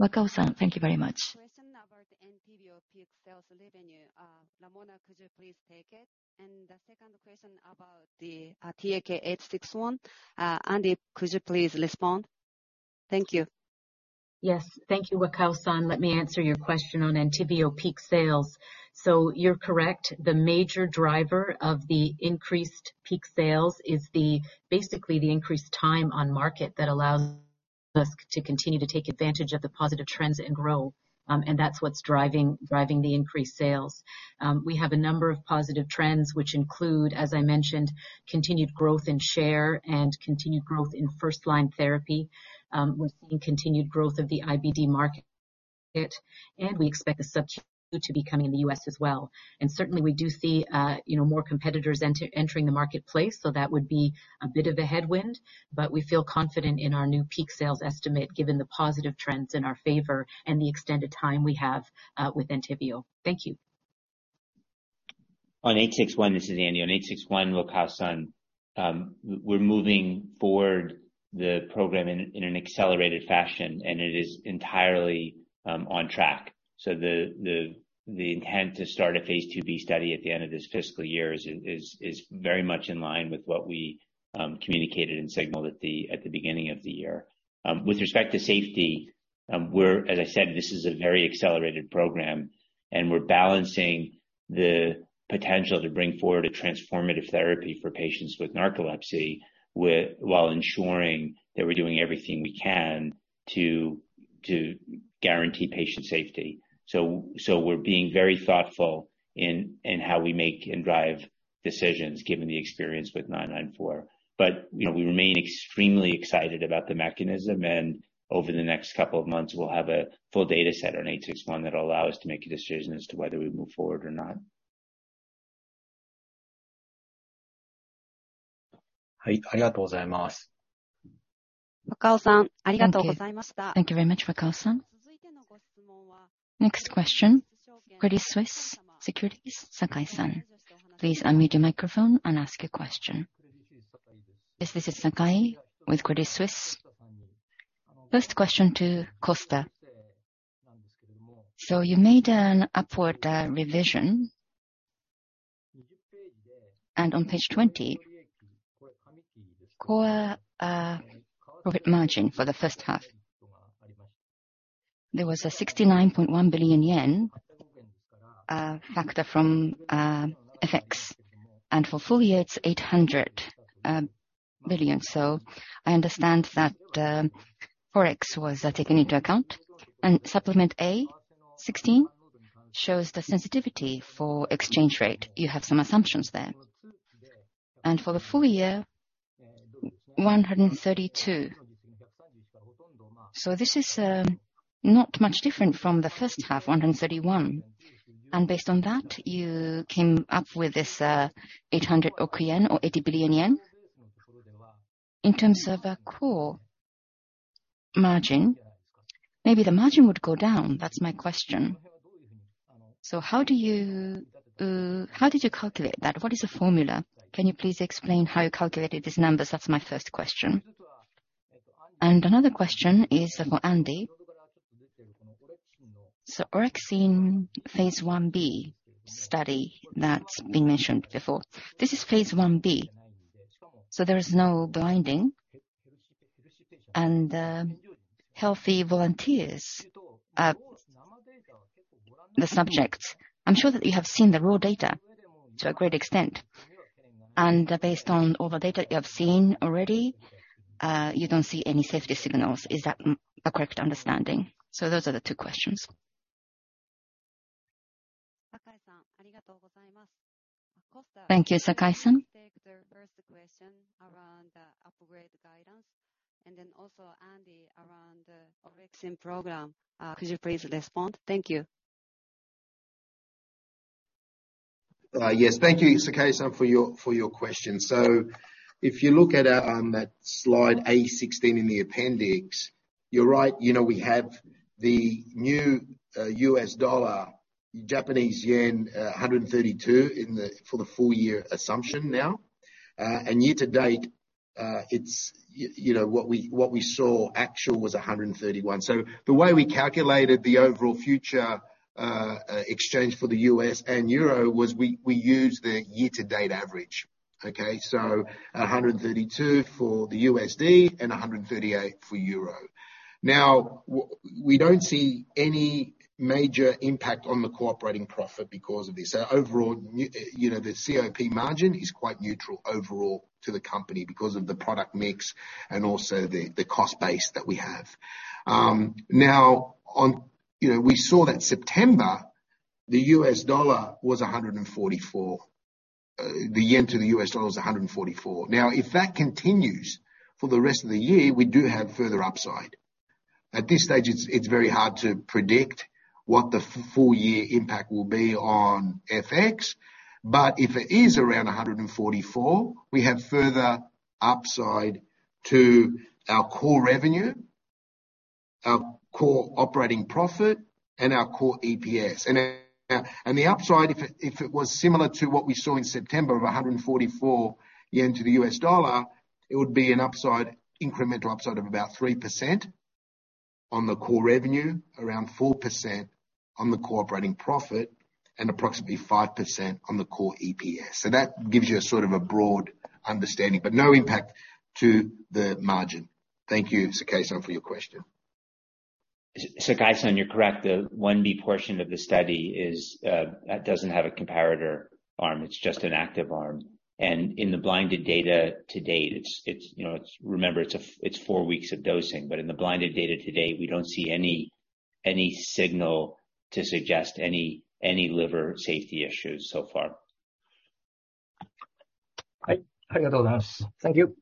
Wakao-san, thank you very much. Question about ENTYVIO peak sales revenue. Ramona, could you please take it? The second question about the TAK-861, Andy, could you please respond? Thank you. Yes. Thank you, Wakao-san. Let me answer your question on ENTYVIO peak sales. You're correct. The major driver of the increased peak sales is basically the increased time on market that allows us to continue to take advantage of the positive trends and grow. That's what's driving the increased sales. We have a number of positive trends which include, as I mentioned, continued growth in share and continued growth in first-line therapy. We're seeing continued growth of the IBD market, and we expect the subcutaneous to be coming in the U.S. as well. Certainly we do see, you know, more competitors entering the marketplace, so that would be a bit of a headwind. We feel confident in our new peak sales estimate given the positive trends in our favor and the extended time we have with ENTYVIO. Thank you. On 861, this is Andy. On 861, Wakao-san, we're moving forward the program in an accelerated fashion and it is entirely on track. The intent to start a phase IIB study at the end of this fiscal year is very much in line with what we communicated and signaled at the beginning of the year. With respect to safety, we're. As I said, this is a very accelerated program and we're balancing the potential to bring forward a transformative therapy for patients with narcolepsy with while ensuring that we're doing everything we can to guarantee patient safety. We're being very thoughtful in how we make and drive decisions given the experience with TAK-994. You know, we remain extremely excited about the mechanism and over the next couple of months we'll have a full data set on TAK-861 that'll allow us to make a decision as to whether we move forward or not. Hi. Arigatou gozaimasu. Thank you. Thank you very much, Wakao-san. Next question, Credit Suisse Securities, Sakai-san. Please unmute your microphone and ask your question. This is Sakai with Credit Suisse. First question to Costa. You made an upward revision. On page 20, core profit margin for the first half. There was a 69.1 billion yen factor from FX. For full year it's 800 billion. I understand that Forex was taken into account. Supplement A sixteen shows the sensitivity for exchange rate. You have some assumptions there. For the full year, 132. This is not much different from the first half, 131. Based on that you came up with this, 800 billion yen. In terms of a core margin, maybe the margin would go down. That's my question. How did you calculate that? What is the formula? Can you please explain how you calculated these numbers? That's my first question. Another question is for Andy. Orexin phase IB study that's been mentioned before. This is phase IB, so there is no blinding. Healthy volunteers, the subjects, I'm sure that you have seen the raw data to a great extent. Based on all the data you have seen already, you don't see any safety signals. Is that a correct understanding? Those are the two questions. Thank you, Sakai-san. Let Costa take the first question around the upgrade guidance. Then also Andy around the orexin program. Could you please respond? Thank you. Yes. Thank you, Sakai-san, for your question. If you look at that slide A16 in the appendix, you're right. You know, we have the new U.S. dollar Japanese yen 132 for the full year assumption now. Year to date, it's, you know, what we actually saw was 131. The way we calculated the overall future exchange for the U.S. and euro was we used the year to date average. Okay? 132 for the USD and 138 for euro. Now we don't see any major impact on the operating profit because of this. Overall, you know, the COP margin is quite neutral overall to the company because of the product mix and also the cost base that we have. Now on, you know, we saw that September, the U.S. dollar was 144. The yen to the U.S. dollar was 144. Now if that continues for the rest of the year, we do have further upside. At this stage it's very hard to predict what the full year impact will be on FX. If it is around 144, we have further upside to our core revenue, our core operating profit and our core EPS. The upside if it was similar to what we saw in September of 144 yen to the U.S. dollar, it would be an upside, incremental upside of about 3% on the core revenue, around 4% on-. On the operating profit and approximately 5% on the core EPS. That gives you a sort of a broad understanding, but no impact to the margin. Thank you, Sakai, for your question. Sakai-san, you're correct. The phase IB portion of the study is that doesn't have a comparator arm. It's just an active arm. In the blinded data to date, you know, remember, it's four weeks of dosing, but in the blinded data to date, we don't see any signal to suggest any liver safety issues so far. Thank you. Thank you.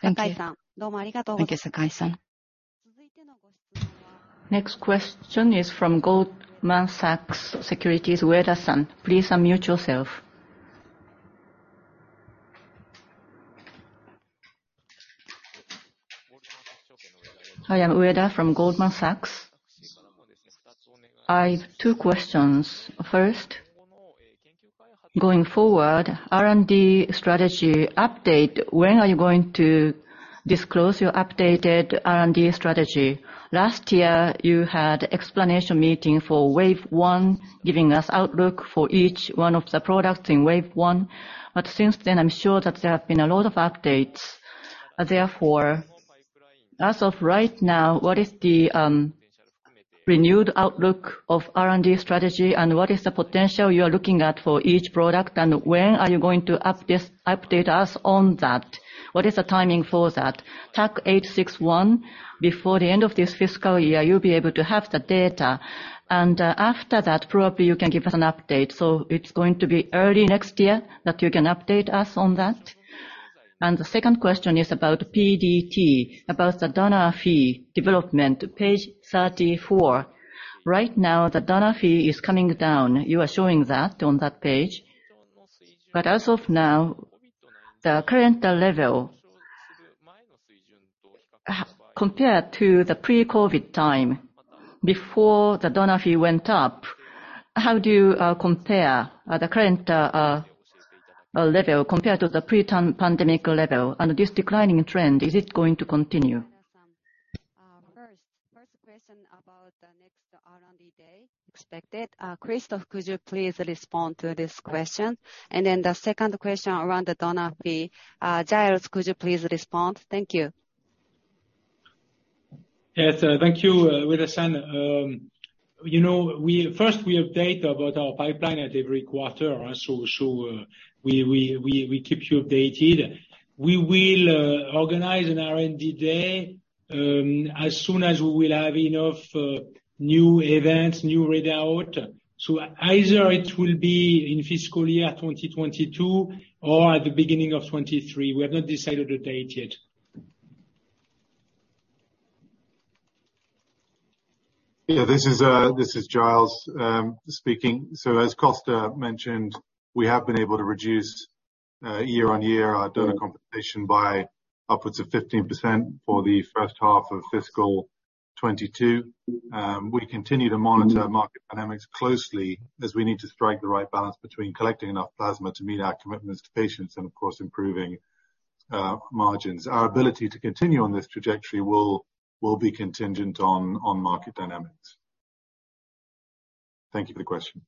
Thank you, Sakai-san. Next question is from Goldman Sachs, Ueda-san. Please unmute yourself. Hi, I'm Ueda from Goldman Sachs. I have two questions. First, going forward, R&D strategy update. When are you going to disclose your updated R&D strategy? Last year, you had explanation meeting for wave one, giving us outlook for each one of the products in wave one. But since then, I'm sure that there have been a lot of updates. Therefore, as of right now, what is the renewed outlook of R&D strategy and what is the potential you are looking at for each product and when are you going to update us on that? What is the timing for that? TAK-861 before the end of this fiscal year, you'll be able to have the data, and after that, probably you can give us an update. So it's going to be early next year that you can update us on that? The second question is about PDT, about the donor fee development, page 34. Right now, the donor fee is coming down. You are showing that on that page. As of now, the current level compared to the pre-COVID time before the donor fee went up, how do you compare the current level compared to the pre-pandemic level? This declining trend, is it going to continue? First question about the next R&D day expected. Christophe, could you please respond to this question? Then the second question around the donor fee, Giles, could you please respond? Thank you. Yes. Thank you, Ueda-san. You know, we first update about our pipeline at every quarter, so we keep you updated. We will organize an R&D day as soon as we will have enough new events, new readout. Either it will be in fiscal year 2022 or at the beginning of 2023. We have not decided a date yet. This is Giles speaking. As Christophe mentioned, we have been able to reduce year-on-year our donor compensation by upwards of 15% for the first half of fiscal 2022. We continue to monitor market dynamics closely as we need to strike the right balance between collecting enough plasma to meet our commitments to patients and of course, improving margins. Our ability to continue on this trajectory will be contingent on market dynamics. Thank you for the question.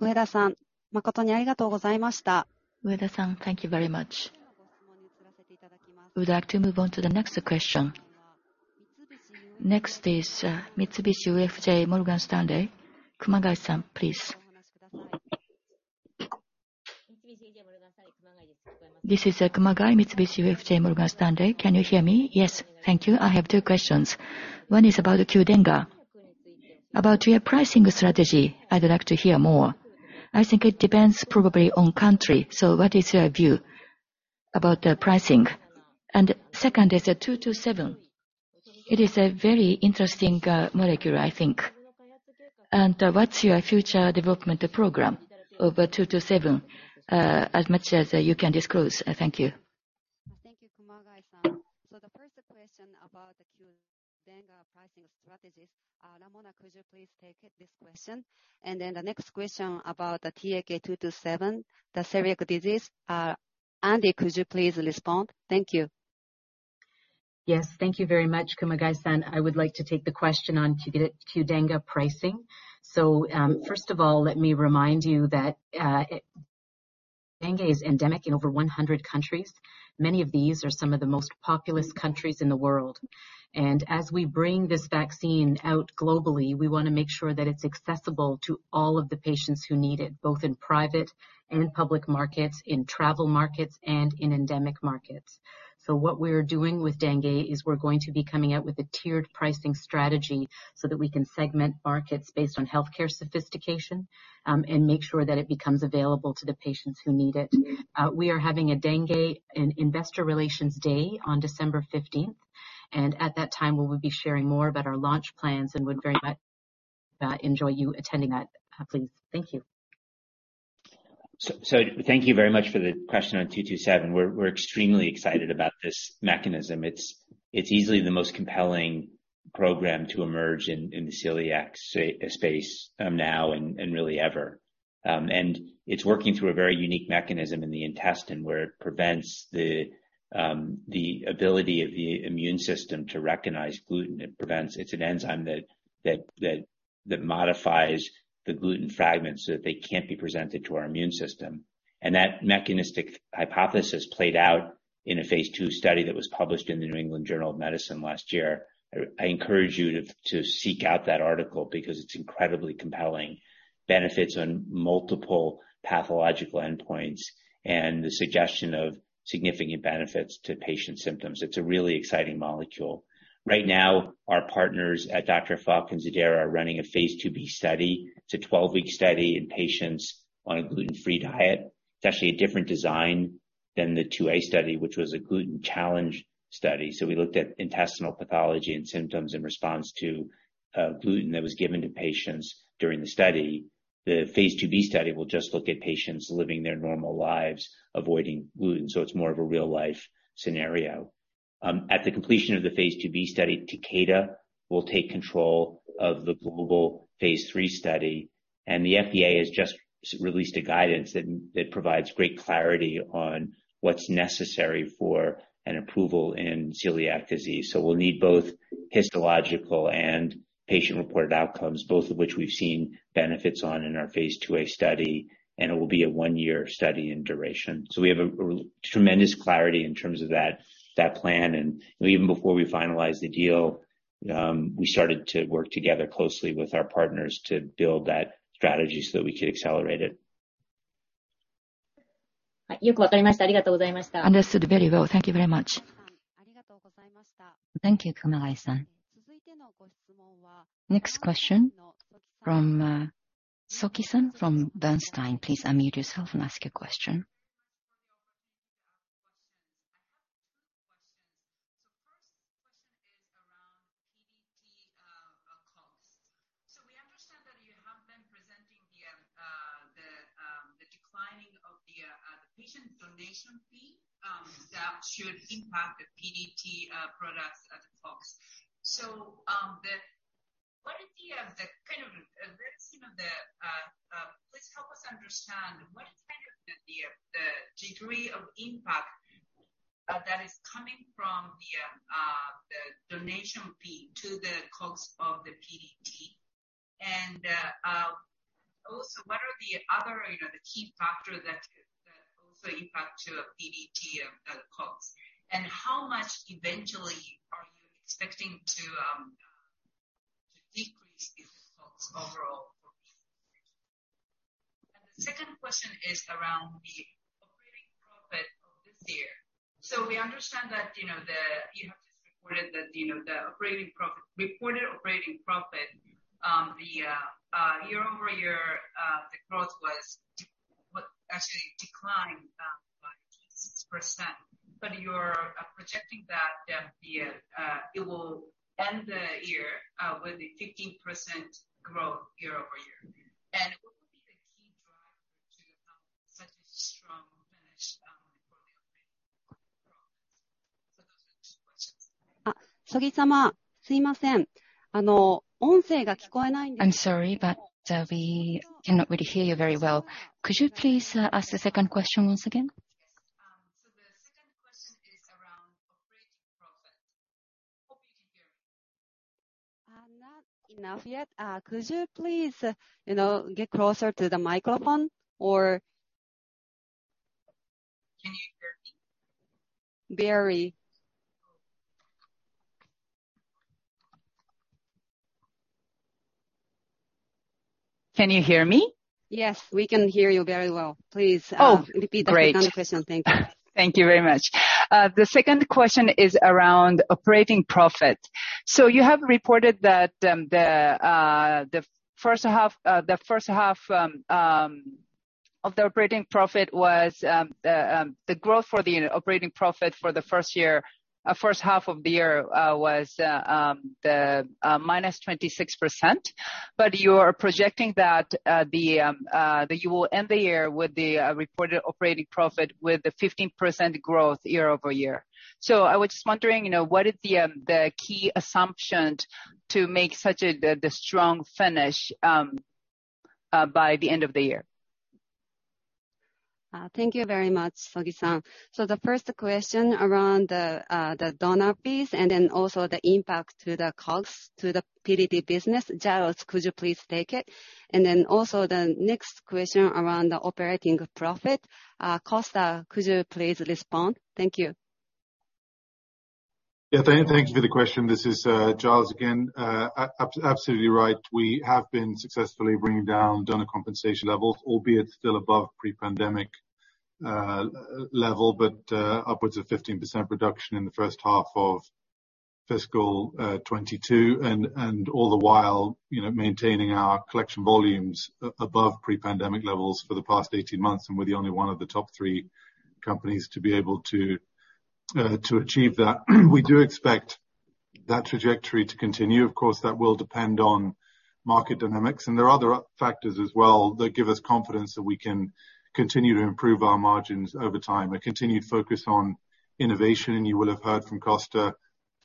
Ueda-san. Ueda-san, thank you very much. We'd like to move on to the next question. Next is Mitsubishi UFJ Morgan Stanley. Kumagai-san, please. This is Kumagai, Mitsubishi UFJ Morgan Stanley. Can you hear me? Yes. Thank you. I have two questions. One is about the QDENGA. About your pricing strategy, I'd like to hear more. I think it depends probably on country. What is your view about the pricing? Second is two-two-seven. It is a very interesting molecule, I think. What's your future development program over two-two-seven, as much as you can disclose. Thank you. Thank you, Kumagai-san. The first question about the QDENGA pricing strategies, Ramona, could you please take this question? Then the next question about the TAK-227, the celiac disease, Andy, could you please respond? Thank you. Yes. Thank you very much, Kumagai-san. I would like to take the question on QDENGA pricing. First of all, let me remind you that dengue is endemic in over 100 countries. Many of these are some of the most populous countries in the world. As we bring this vaccine out globally, we wanna make sure that it's accessible to all of the patients who need it, both in private and in public markets, in travel markets and in endemic markets. What we're doing with dengue is we're going to be coming out with a tiered pricing strategy so that we can segment markets based on healthcare sophistication, and make sure that it becomes available to the patients who need it. We are having a dengue and investor relations day on December fifteenth, and at that time, we will be sharing more about our launch plans and would very much enjoy you attending that, please. Thank you. Thank you very much for the question on TAK-227. We're extremely excited about this mechanism. It's easily the most compelling program to emerge in the celiac space now and really ever. It's working through a very unique mechanism in the intestine where it prevents the ability of the immune system to recognize gluten. It's an enzyme that modifies the gluten fragments, so that they can't be presented to our immune system. That mechanistic hypothesis played out in a phase II study that was published in the New England Journal of Medicine last year. I encourage you to seek out that article because it's incredibly compelling. Benefits on multiple pathological endpoints and the suggestion of significant benefits to patient symptoms. It's a really exciting molecule. Right now, our partners at Dr. Falk Pharma. Falk Pharma and Takeda are running a phase IIB study. It's a 12-week study in patients on a gluten-free diet. It's actually a different design than the phase IIA study, which was a gluten challenge study. We looked at intestinal pathology and symptoms in response to gluten that was given to patients during the study. The phase IIB study will just look at patients living their normal lives avoiding gluten, so it's more of a real-life scenario. At the completion of the phase IIB study, Takeda will take control of the global phase III study. The FDA has just released a guidance that provides great clarity on what's necessary for an approval in celiac disease. We'll need both histological and patient-reported outcomes, both of which we've seen benefits on in our phase IIA study, and it will be a one-year study in duration. We have a tremendous clarity in terms of that plan. Even before we finalized the deal, we started to work together closely with our partners to build that strategy so we could accelerate it. Understood very well. Thank you very much. Thank you, Kumagai-san. Next question from Miki Sogi-san from Bernstein. Please unmute yourself and ask your question. Thank you very much for the opportunity to ask questions. I have two questions. First question is around PDT cost. We understand that you have been presenting the declining of the patient donation fee that should impact the PDT products at the cost. Please help us understand what kind of the degree of impact that is coming from the donation fee to the cost of the PDT. Also, what are the other, you know, the key factor that that also impact to PDT costs? How much eventually are you expecting to decrease the costs overall for PDT? The second question is around the operating profit of this year. We understand that you have just reported that the reported operating profit year-over-year growth was actually declined by 26%. You're projecting that it will end the year with a 15% growth year-over-year. What would be the key driver to such a strong finish for the operating profit? Those are the two questions. Miki Sogi-san, I'm sorry, but we cannot really hear you very well. Could you please ask the second question once again? Yes. The second question is around operating profit. Hope you can hear me. Not enough yet. Could you please, you know, get closer to the microphone or. Can you hear me? Barely. Can you hear me? Yes, we can hear you very well. Oh, great. Repeat the second question. Thank you. Thank you very much. The second question is around operating profit. You have reported that the first half of the operating profit was the growth for the operating profit for the first half of the year was -26%. You're projecting that you will end the year with the reported operating profit with the 15% growth year-over-year. I was just wondering, you know, what is the key assumptions to make such a strong finish by the end of the year? Thank you very much, Miki Sogi-san. The first question around the donor piece and then also the impact to the costs to the PDT business. Giles, could you please take it? Then also the next question around the operating profit, Costa, could you please respond? Thank you. Yeah. Thank you for the question. This is Giles again. Absolutely right. We have been successfully bringing down donor compensation levels, albeit still above pre-pandemic level, but upwards of 15% reduction in the first half of fiscal 2022. All the while, you know, maintaining our collection volumes above pre-pandemic levels for the past 18 months, and we're the only one of the top three companies to be able to achieve that. We do expect that trajectory to continue. Of course, that will depend on market dynamics, and there are other factors as well that give us confidence that we can continue to improve our margins over time. A continued focus on innovation, and you will have heard from Costa.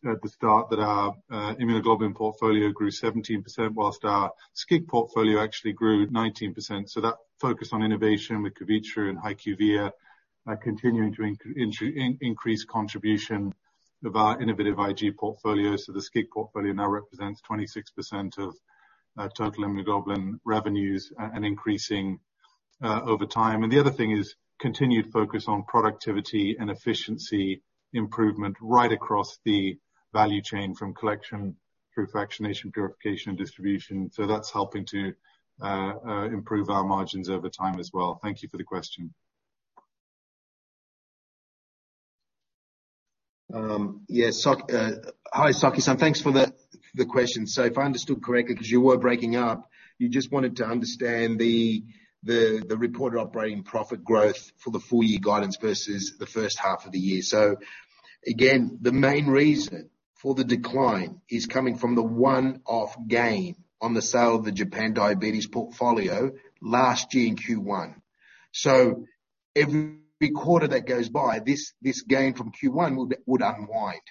That our immunoglobulin portfolio grew 17% while our SCIG portfolio actually grew 19%. That focus on innovation with CUVITRU and HYQVIA are continuing to increase contribution of our innovative IG portfolio. The SCIG portfolio now represents 26% of total immunoglobulin revenues, and increasing over time. The other thing is continued focus on productivity and efficiency improvement right across the value chain from collection through fractionation, purification, distribution. That's helping to improve our margins over time as well. Thank you for the question. Yes. Hi, Sogi-san. Thanks for the question. If I understood correctly, 'cause you were breaking up, you just wanted to understand the reported operating profit growth for the full year guidance versus the first half of the year. Again, the main reason for the decline is coming from the one-off gain on the sale of the Japan diabetes portfolio last year in Q1. Every quarter that goes by, this gain from Q1 will unwind.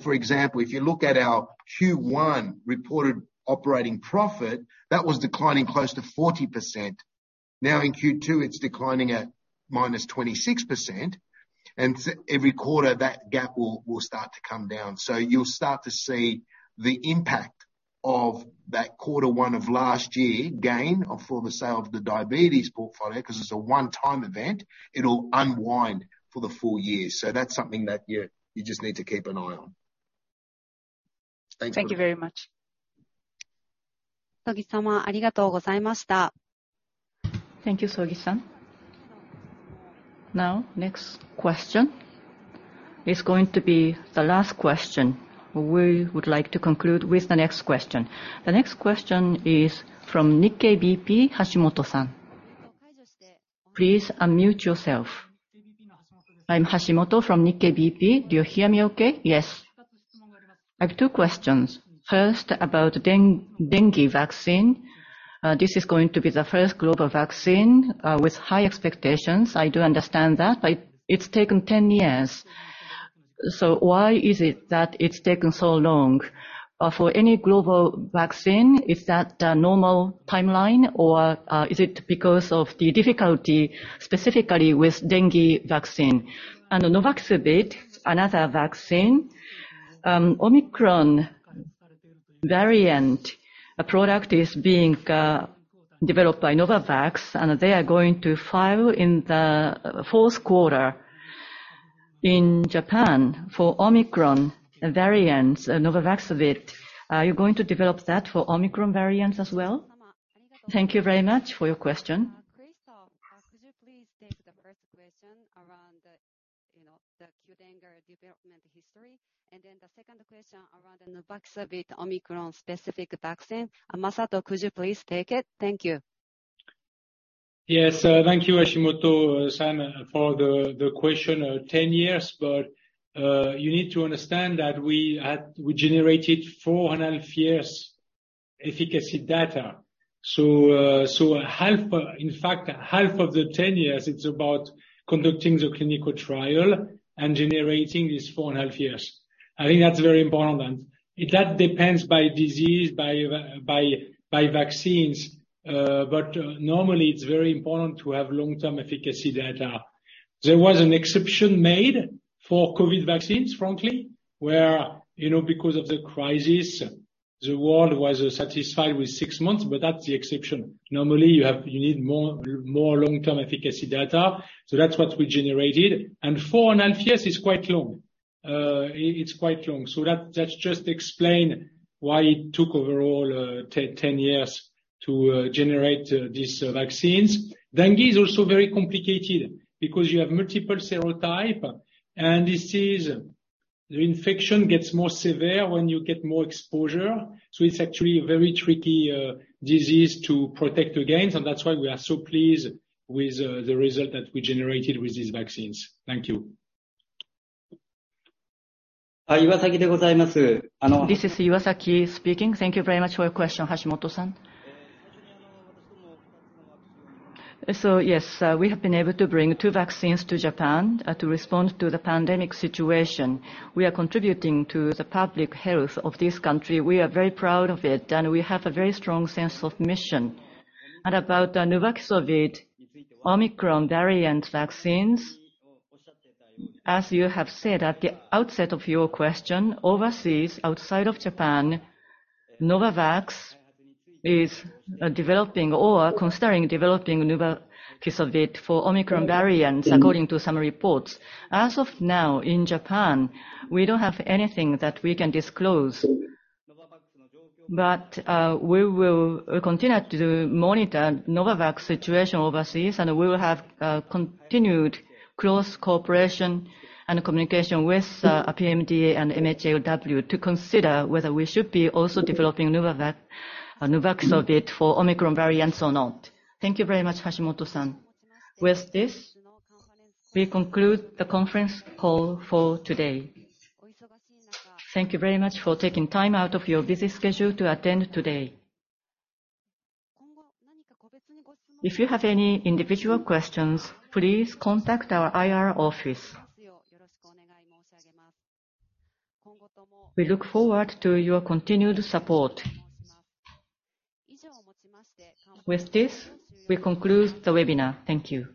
For example, if you look at our Q1 reported operating profit, that was declining close to 40%. Now in Q2, it's declining at -26%. Every quarter, that gap will start to come down. You'll start to see the impact of that quarter one of last year gain of, for the sale of the diabetes portfolio, 'cause it's a one-time event. It'll unwind for the full year. That's something that you just need to keep an eye on. Thanks very much. Thank you very much. Thank you, Sogi-san. Now, next question is going to be the last question. We would like to conclude with the next question. The next question is from Nikkei BP, Hashimoto-san. Please unmute yourself. I'm Hashimoto from Nikkei BP. Do you hear me okay? Yes. I have two questions. First, about dengue vaccine. This is going to be the first global vaccine with high expectations. I do understand that, but it's taken 10 years. Why is it that it's taken so long? For any global vaccine, is that the normal timeline, or is it because of the difficulty specifically with dengue vaccine? Nuvaxovid, another vaccine. Omicron variant product is being developed by Novavax, and they are going to file in the fourth quarter in Japan for Omicron variants Nuvaxovid. Are you going to develop that for Omicron variants as well? Thank you very much for your question. Christophe, could you please take the first question around, you know, the QDENGA development history, and then the second question around the Nuvaxovid Omicron specific vaccine? Masato, could you please take it? Thank you. Yes. Thank you, Hashimoto-san, for the question. 10 years, but you need to understand that we generated four and a half years efficacy data. Half, in fact, half of the 10 years, it's about conducting the clinical trial and generating this four and a half years. I think that's very important. That depends by disease, by vaccines. Normally it's very important to have long-term efficacy data. There was an exception made for COVID vaccines, frankly. Where, you know, because of the crisis, the world was satisfied with six months, but that's the exception. Normally, you need more long-term efficacy data. That's what we generated. Four and a half years is quite long. It's quite long. That just explain why it took overall 10 years to generate these vaccines. Dengue is also very complicated because you have multiple serotype, and this is the infection gets more severe when you get more exposure. It's actually a very tricky disease to protect against, and that's why we are so pleased with the result that we generated with these vaccines. Thank you. This is Iwasaki speaking. Thank you very much for your question, Hashimoto-san. Yes, we have been able to bring two vaccines to Japan to respond to the pandemic situation. We are contributing to the public health of this country. We are very proud of it, and we have a very strong sense of mission. About Nuvaxovid Omicron variant vaccines, as you have said at the outset of your question, overseas, outside of Japan, Novavax is developing or considering developing Nuvaxovid for Omicron variants, according to some reports. As of now, in Japan, we don't have anything that we can disclose. We will continue to monitor Novavax situation overseas, and we will have continued close cooperation and communication with PMDA and MHLW to consider whether we should be also developing Nuvaxovid for Omicron variants or not. Thank you very much, Hashimoto-san. With this, we conclude the conference call for today. Thank you very much for taking time out of your busy schedule to attend today. If you have any individual questions, please contact our IR office. We look forward to your continued support. With this, we conclude the webinar. Thank you.